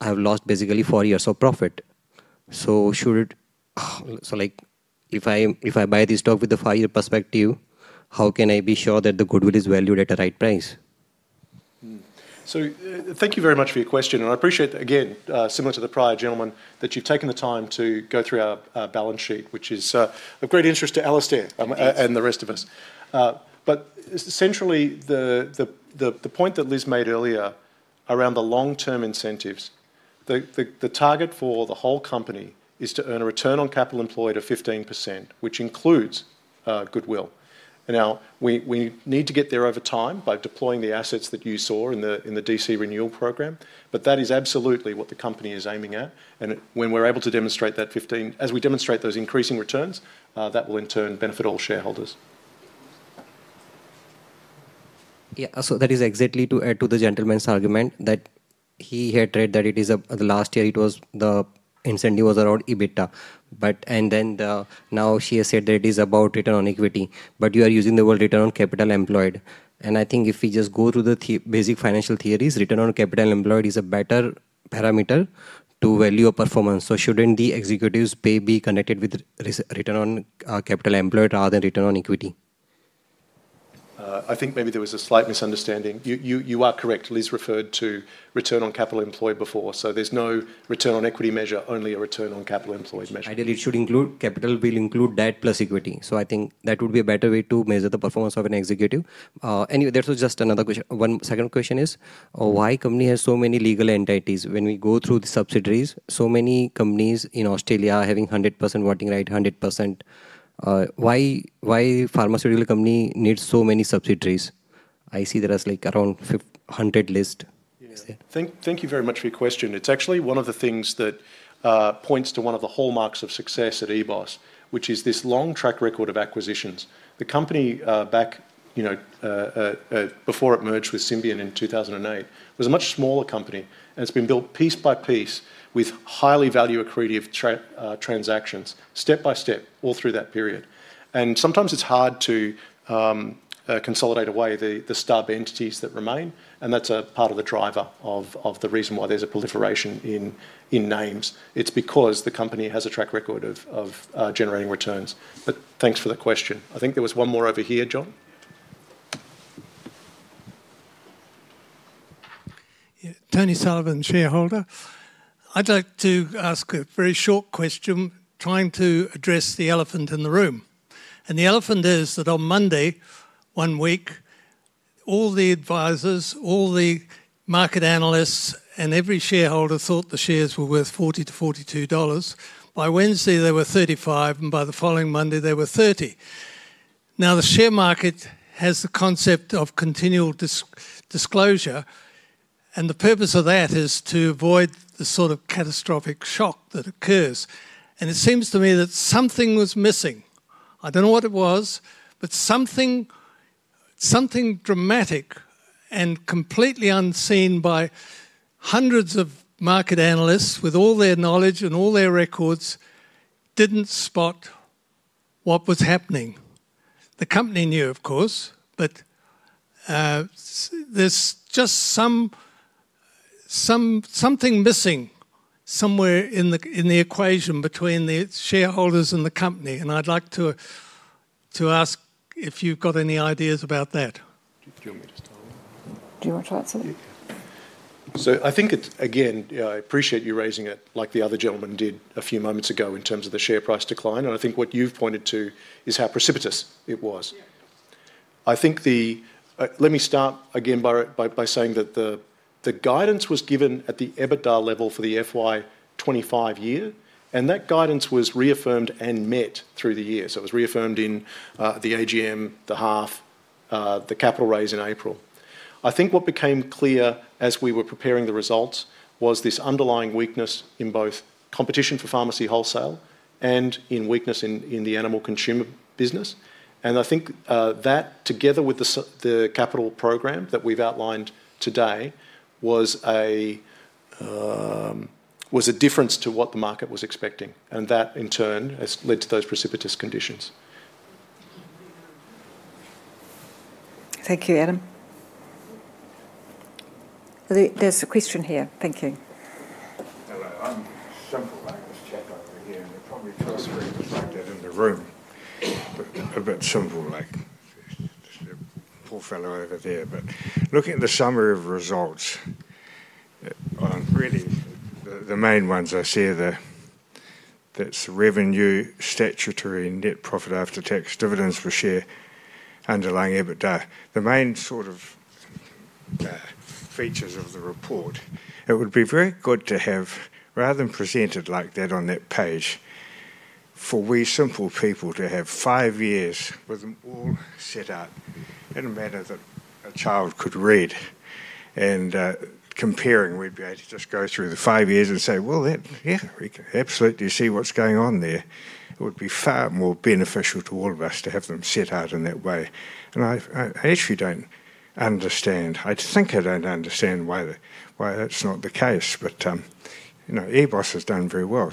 I've lost basically four years of profit. If I buy this stock with a five-year perspective, how can I be sure that the goodwill is valued at a right price? Thank you very much for your question, and I appreciate it again, similar to the prior gentleman that you've taken the time to go through our balance sheet, which is of great interest to Alistair and the rest of us. Essentially, the point that Liz made earlier around the long-term incentives, the target for the whole company is to earn a return on capital employed of 15%, which includes goodwill. We need to get there over time by deploying the assets that you saw in the DC renewal program. That is absolutely what the company is aiming at. When we're able to demonstrate that 15, as we demonstrate those increasing returns, that will in turn benefit all shareholders. Yeah, that is exactly to add to the gentleman's argument that he had read that last year the incentive was around EBITDA. Now she has said that it is about return on equity, but you are using the word return on capital employed. I think if we just go through the basic financial theories, return on capital employed is a better parameter to value a performance. Shouldn't the executives' pay be connected with return on capital employed rather than return on equity? I think maybe there was a slight misunderstanding. You are correct. Liz referred to return on capital employed before. There's no return on equity measure, only a return on capital employed measure. I think it should include, capital will include that plus equity. I think that would be a better way to measure the performance of an executive. Anyway, that was just another question. One second question is, why a company has so many legal entities? When we go through the subsidiaries, so many companies in Australia are having 100% voting rights, 100%. Why a pharmaceutical company needs so many subsidiaries? I see there are like around hundred lists. Thank you very much for your question. It's actually one of the things that points to one of the hallmarks of success at EBOS, which is this long track record of acquisitions. The company, back before it merged with Symbion in 2008, was a much smaller company. It's been built piece by piece with highly value accretive transactions, step by step, all through that period. Sometimes it's hard to consolidate away the stub entities that remain. That's a part of the driver of the reason why there's a proliferation in names. It's because the company has a track record of generating returns. Thank you for the question. I think there was one more over here, John. I'd like to ask a very short question, trying to address the elephant in the room. The elephant is that on Monday, one week, all the advisors, all the market analysts, and every shareholder thought the shares were worth 40-42 dollars. By Wednesday, they were 35. By the following Monday, they were 30. The share market has the concept of continual disclosure. The purpose of that is to avoid the sort of catastrophic shock that occurs. It seems to me that something was missing. I don't know what it was, but something dramatic and completely unseen by hundreds of market analysts with all their knowledge and all their records didn't spot what was happening. The company knew, of course, but there's just something missing somewhere in the equation between the shareholders and the company. I'd like to ask if you've got any ideas about that. Do you want to answer that? I appreciate you raising it like the other gentleman did a few moments ago in terms of the share price decline. I think what you've pointed to is how precipitous it was. Let me start again by saying that the guidance was given at the EBITDA level for the FY 2025 year, and that guidance was reaffirmed and met through the year. It was reaffirmed in the AGM, the half, the capital raise in April. I think what became clear as we were preparing the results was this underlying weakness in both competition for pharmacy wholesale and in weakness in the animal consumer business. I think that, together with the capital program that we've outlined today, was a difference to what the market was expecting. That, in turn, has led to those precipitous conditions. Thank you, Adam. There's a question here. Thank you. Hello. I'm [Shemple Lake], this chap over here. It probably feels very reflected in the room. I'm at Shemple Lake, just a poor fellow over there]. Looking at the summary of results, really the main ones I see are the revenue, statutory net profit after tax, dividends per share, underlying EBITDA. The main sort of features of the report, it would be very good to have, rather than presented like that on that page, for we simple people to have five years with them all set up in a manner that a child could read. Comparing, we'd be able to just go through the five years and say, yeah, we can absolutely see what's going on there. It would be far more beneficial to all of us to have them set out in that way. I actually don't understand. I think I don't understand why that's not the case. You know EBOS has done very well.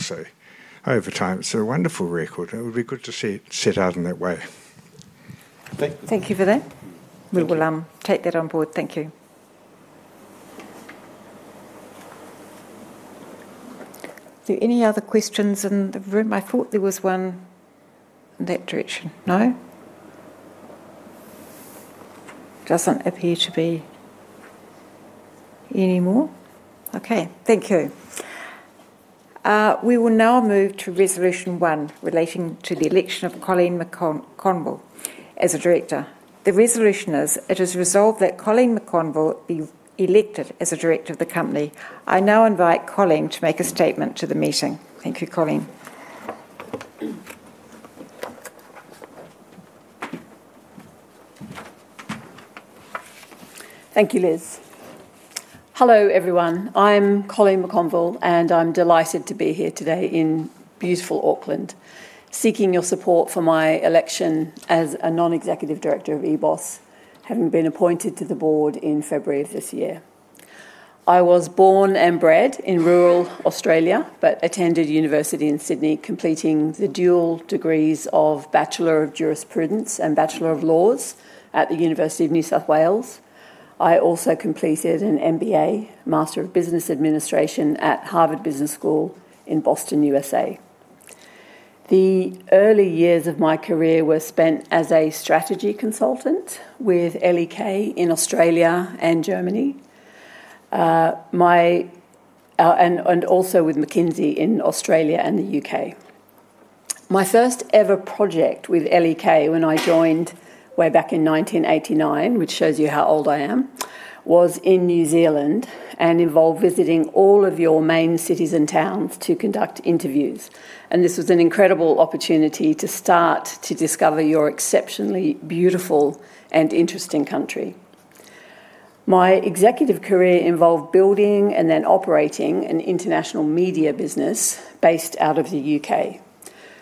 Over time, it's a wonderful record. It would be good to see it set out in that way. Thank you for that. We will take that on board. Thank you. Do you have any other questions in the room? I thought there was one in that direction. No? Doesn't appear to be any more. OK, thank you. We will now move to Resolution 1 relating to the election of Coline McConville as a Director. The resolution is, it is resolved that Coline McConville be elected as a Director of the company. I now invite Coline to make a statement to the meeting. Thank you, Coline. Thank you, Liz. Hello, everyone. I'm Coline McConville, and I'm delighted to be here today in beautiful Auckland, seeking your support for my election as a Non-Executive Director of EBOS, having been appointed to the board in February of this year. I was born and bred in rural Australia, but attended university in Sydney, completing the dual degrees of Bachelor of Jurisprudence and Bachelor of Laws at the University of New South Wales. I also completed an MBA, Master of Business Administration at Harvard Business School in Boston, USA. The early years of my career were spent as a strategy consultant with LEK in Australia and Germany, and also with McKinsey in Australia and the U.K. My first ever project with LEK when I joined way back in 1989, which shows you how old I am, was in New Zealand and involved visiting all of your main cities and towns to conduct interviews. This was an incredible opportunity to start to discover your exceptionally beautiful and interesting country. My executive career involved building and then operating an international media business based out of the U.K.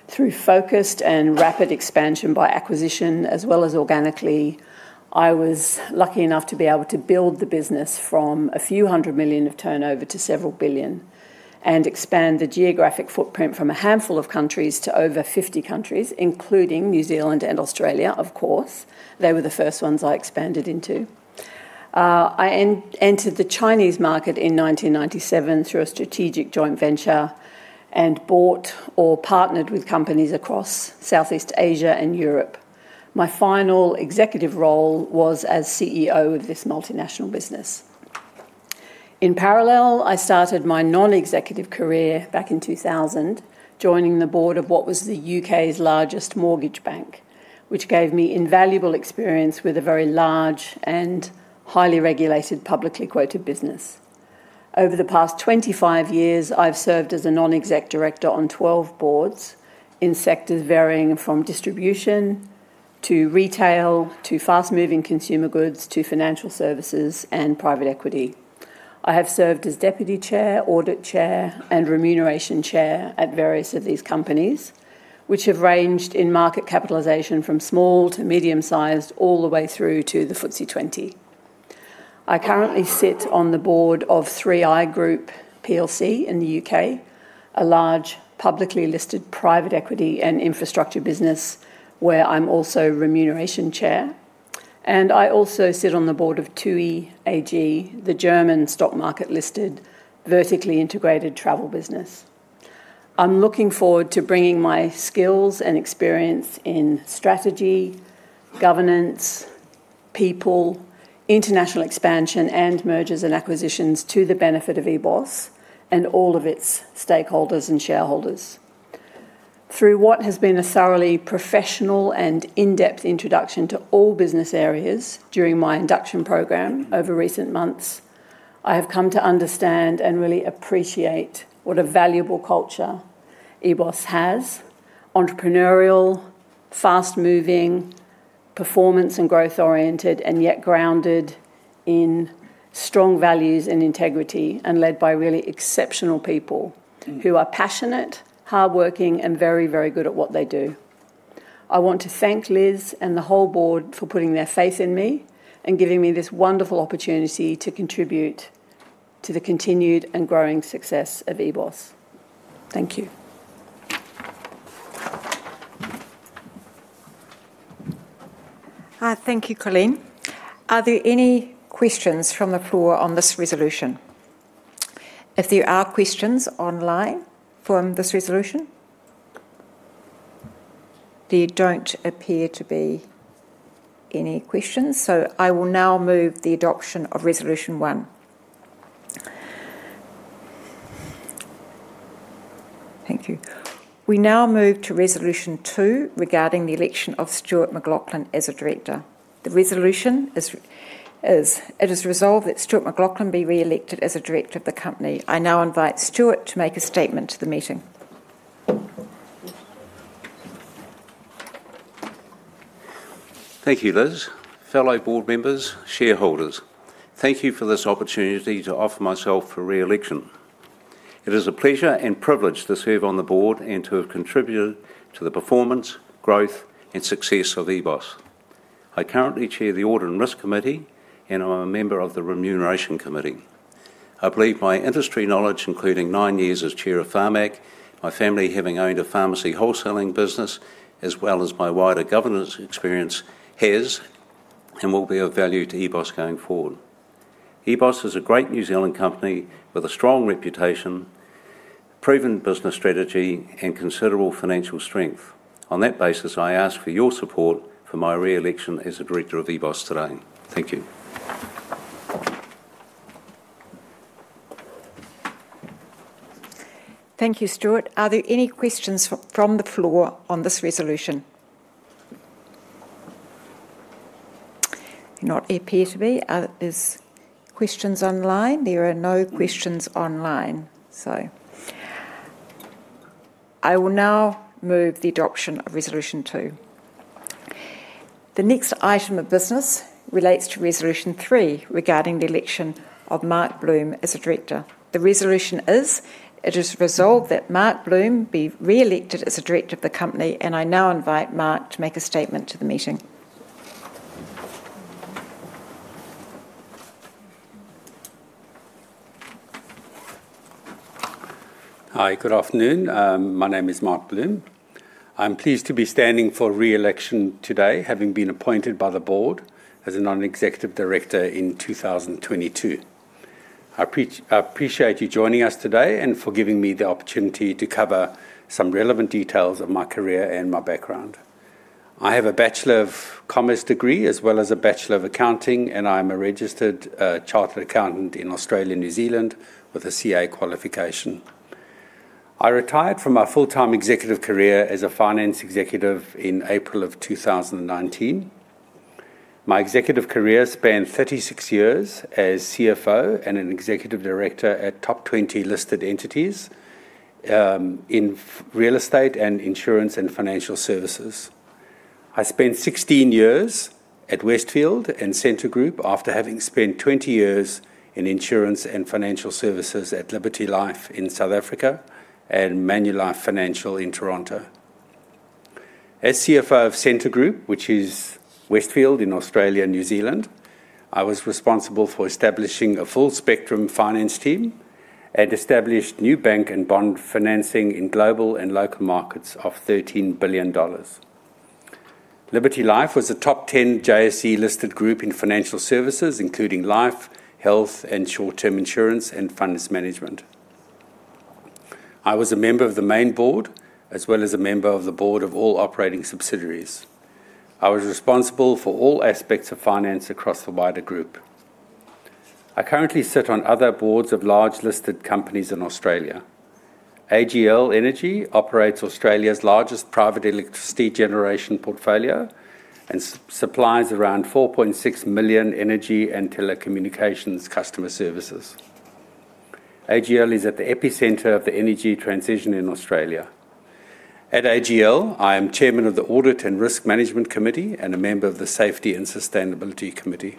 Through focused and rapid expansion by acquisition, as well as organically, I was lucky enough to be able to build the business from a few hundred million of turnover to several billion and expand the geographic footprint from a handful of countries to over 50 countries, including New Zealand and Australia, of course. They were the first ones I expanded into. I entered the Chinese market in 1997 through a strategic joint venture and bought or partnered with companies across Southeast Asia and Europe. My final executive role was as CEO of this multinational business. In parallel, I started my non-executive career back in 2000, joining the board of what was the U.K.'s largest mortgage bank, which gave me invaluable experience with a very large and highly regulated publicly quoted business. Over the past 25 years, I've served as a Non-Executive Director on 12 boards in sectors varying from distribution to retail to fast-moving consumer goods to financial services and private equity. I have served as Deputy Chair, Audit Chair, and Remuneration Chair at various of these companies, which have ranged in market capitalization from small to medium-sized, all the way through to the FTSE 20. I currently sit on the board of 3i Group PLC in the U.K., a large publicly listed private equity and infrastructure business where I'm also Remuneration Chair. I also sit on the board of 2E AG, the German stock market listed vertically integrated travel business. I'm looking forward to bringing my skills and experience in strategy, governance, people, international expansion, and mergers and acquisitions to the benefit of EBOS and all of its stakeholders and shareholders. Through what has been a thoroughly professional and in-depth introduction to all business areas during my induction program over recent months, I have come to understand and really appreciate what a valuable culture EBOS has, entrepreneurial, fast-moving, performance and growth-oriented, and yet grounded in strong values and integrity and led by really exceptional people who are passionate, hardworking, and very, very good at what they do. I want to thank Liz and the whole board for putting their faith in me and giving me this wonderful opportunity to contribute to the continued and growing success of EBOS. Thank you. Thank you, Coline. Are there any questions from the floor on this resolution? If there are questions online from this resolution, there don't appear to be any questions. I will now move the adoption of Resolution 1. Thank you. We now move to Resolution 2 regarding the election of Stuart McLauchlan as a director. The resolution is, it is resolved that Stuart McLauchlan be re-elected as a director of the company. I now invite Stuart to make a statement to the meeting. Thank you, Liz. Fellow board members, shareholders, thank you for this opportunity to offer myself for re-election. It is a pleasure and privilege to serve on the board and to have contributed to the performance, growth, and success of EBOS. I currently chair the Audit and Risk Committee, and I'm a member of the Remuneration Committee. I believe my industry knowledge, including nine years as Chair of Pharmac, my family having owned a pharmacy wholesaling business, as well as my wider governance experience, has and will be of value to EBOS going forward. EBOS is a great New Zealand company with a strong reputation, proven business strategy, and considerable financial strength. On that basis, I ask for your support for my re-election as a director of EBOS today. Thank you. Thank you, Stuart. Are there any questions from the floor on this resolution? There do not appear to be. Are there questions online? There are no questions online. I will now move the adoption of Resolution 2. The next item of business relates to Resolution 3 regarding the election of Mark Bloom as a director. The resolution is, it is resolved that Mark Bloom be re-elected as a director of the company. I now invite Mark to make a statement to the meeting. Hi, good afternoon. My name is Mark Bloom. I'm pleased to be standing for re-election today, having been appointed by the board as a Non-Executive Director in 2022. I appreciate you joining us today and for giving me the opportunity to cover some relevant details of my career and my background. I have a Bachelor of Commerce degree, as well as a Bachelor of Accounting. I'm a registered Chartered Accountant in Australia and New Zealand with a CA qualification. I retired from my full-time executive career as a finance executive in April of 2019. My executive career spanned 36 years as CFO and an Executive Director at top 20 listed entities in real estate and insurance and financial services. I spent 16 years at Westfield and Scentre Group after having spent 20 years in insurance and financial services at Liberty Life in South Africa and Manulife Financial in Toronto. As CFO of Scentre Group, which is Westfield in Australia and New Zealand, I was responsible for establishing a full-spectrum finance team and established new bank and bond financing in global and local markets of 13 billion dollars. Liberty Life was a top 10 JSE listed group in financial services, including life, health, and short-term insurance and funds management. I was a member of the main board, as well as a member of the board of all operating subsidiaries. I was responsible for all aspects of finance across the wider group. I currently sit on other boards of large listed companies in Australia. AGL Energy operates Australia's largest private electricity generation portfolio and supplies around 4.6 million energy and telecommunications customer services. AGL is at the epicenter of the energy transition in Australia. At AGL, I am Chairman of the Audit and Risk Management Committee and a member of the Safety and Sustainability Committee.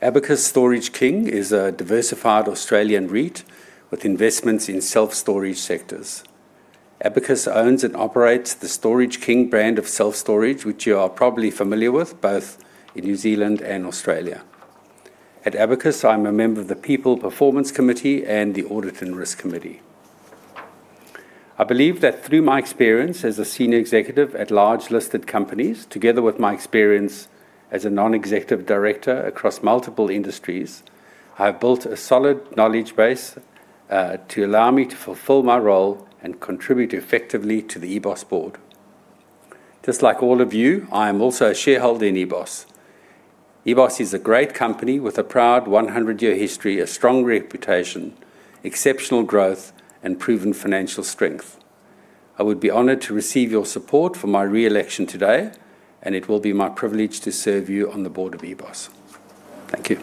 Abacus Storage King is a diversified Australian REIT with investments in self-storage sectors. Abacus owns and operates the Storage King brand of self-storage, which you are probably familiar with, both in New Zealand and Australia. At Abacus, I'm a member of the People Performance Committee and the Audit and Risk Committee. I believe that through my experience as a senior executive at large listed companies, together with my experience as a Non-Executive Director across multiple industries, I have built a solid knowledge base to allow me to fulfill my role and contribute effectively to the EBOS board. Just like all of you, I am also a shareholder in EBOS. EBOS is a great company with a proud 100-year history, a strong reputation, exceptional growth, and proven financial strength. I would be honored to receive your support for my re-election today. It will be my privilege to serve you on the board of EBOS. Thank you.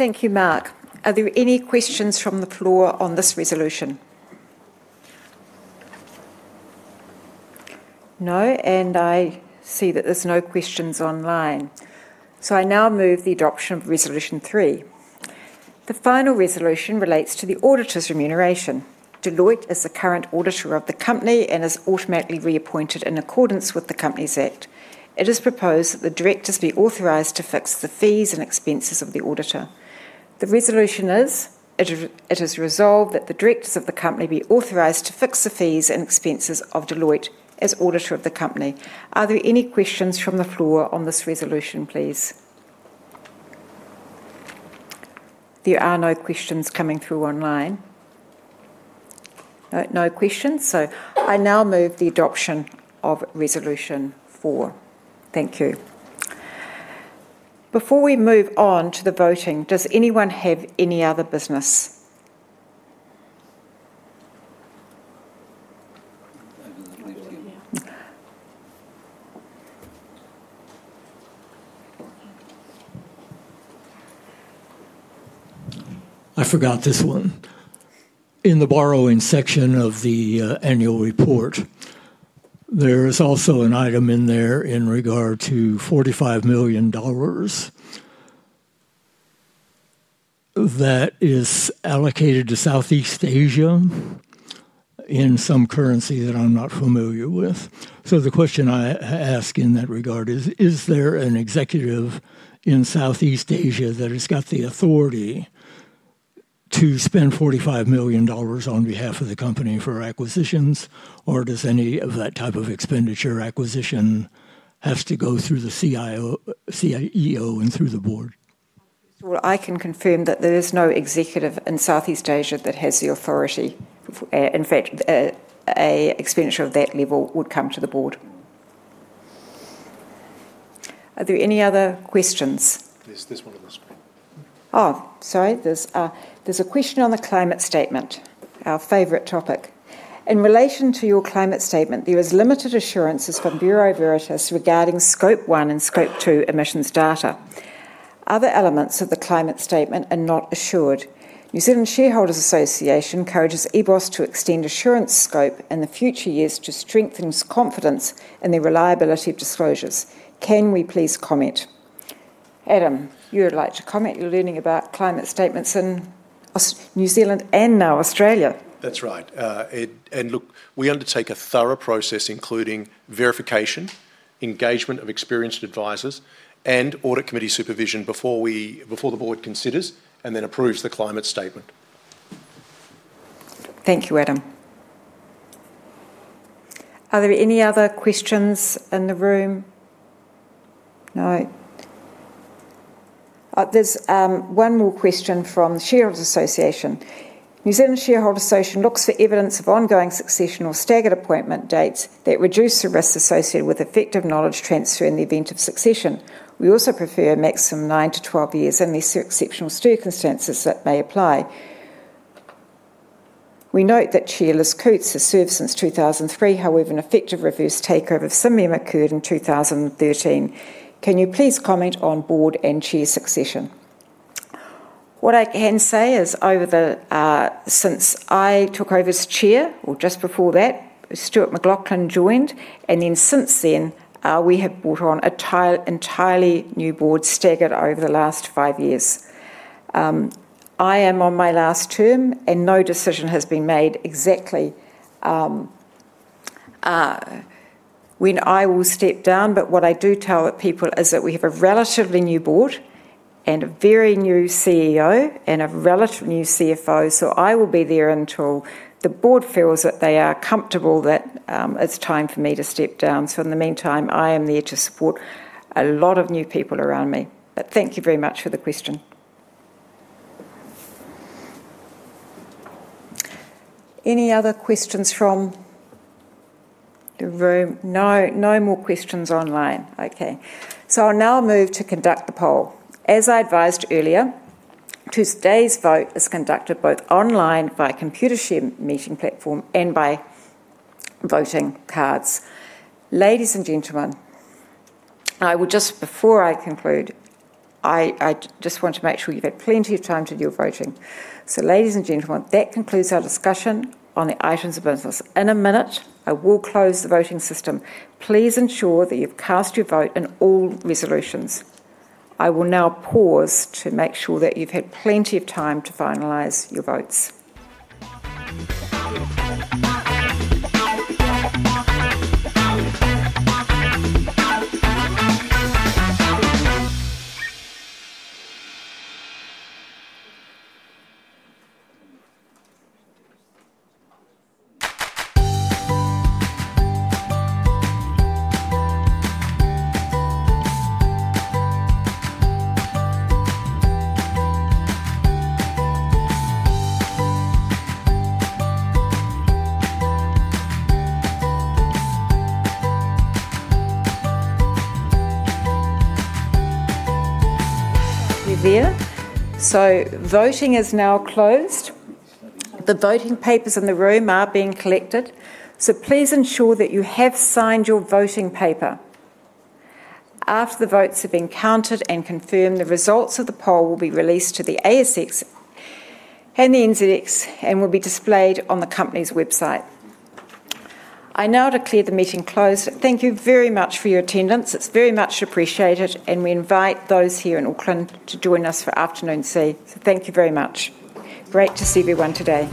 Thank you, Mark. Are there any questions from the floor on this resolution? No, and I see that there's no questions online. I now move the adoption of Resolution 3. The final resolution relates to the auditor's remuneration. Deloitte is the current auditor of the company and is automatically reappointed in accordance with the Companies Act. It is proposed that the directors be authorized to fix the fees and expenses of the auditor. The resolution is, it is resolved that the directors of the company be authorized to fix the fees and expenses of Deloitte as auditor of the company. Are there any questions from the floor on this resolution, please? There are no questions coming through online. No questions. I now move the adoption of Resolution 4. Thank you. Before we move on to the voting, does anyone have any other business? I forgot this one. In the borrowing section of the annual report, there is also an item in there in regard to 45 million dollars that is allocated to Southeast Asia in some currency that I'm not familiar with. The question I ask in that regard is, is there an executive in Southeast Asia that has got the authority to spend 45 million dollars on behalf of the company for acquisitions? Does any of that type of expenditure acquisition have to go through the CEO and through the board? I can confirm that there is no executive in Southeast Asia that has the authority. In fact, an expenditure of that level would come to the board. Are there any other questions? There's one on the screen. Oh, sorry. There's a question on the climate statement, our favorite topic. In relation to your climate statement, there are limited assurances from Bureau Veritas regarding Scope 1 and Scope 2 emissions data. Other elements of the climate statement are not assured. New Zealand Shareholders Association encourages EBOS to extend assurance scope in future years to strengthen its confidence in the reliability of disclosures. Can we please comment? Adam, you're allowed to comment. You're learning about climate statements in New Zealand and now Australia. That's right. We undertake a thorough process, including verification, engagement of experienced advisors, and Audit Committee supervision before the board considers and then approves the climate statement. Thank you, Adam. Are there any other questions in the room? No? There's one more question from the Shareholders Association. New Zealand Shareholders Association looks for evidence of ongoing succession or staggered appointment dates that reduce the risks associated with effective knowledge transfer in the event of succession. We also prefer a maximum of nine to 12 years in the exceptional circumstances that may apply. We note that Chair Elizabeth Coutts has served since 2003. However, an effective reverse takeover of some memo occurred in 2013. Can you please comment on board and chair succession? What I can say is, since I took over as Chair, or just before that, Stuart McLauchlan joined. Then since then, we have brought on an entirely new board, staggered over the last five years. I am on my last term. No decision has been made exactly when I will step down. What I do tell people is that we have a relatively new board and a very new CEO and a relatively new CFO. I will be there until the board feels that they are comfortable that it's time for me to step down. In the meantime, I am there to support a lot of new people around me. Thank you very much for the question. Any other questions from the room? No? No more questions online. OK. I'll now move to conduct the poll. As I advised earlier, today's vote is conducted both online by Computershare meeting platform and by voting cards. Ladies and gentlemen, before I conclude, I just want to make sure you've had plenty of time to do your voting. Ladies and gentlemen, that concludes our discussion on the items of business. In a minute, I will close the voting system. Please ensure that you've cast your vote in all resolutions. I will now pause to make sure that you've had plenty of time to finalize your votes. Are we there? Voting is now closed. The voting papers in the room are being collected. Please ensure that you have signed your voting paper. After the votes have been counted and confirmed, the results of the poll will be released to the ASX and the NZX and will be displayed on the company's website. I now declare the meeting closed. Thank you very much for your attendance. It's very much appreciated. We invite those here in Auckland to join us for afternoon tea. Thank you very much. Great to see everyone today.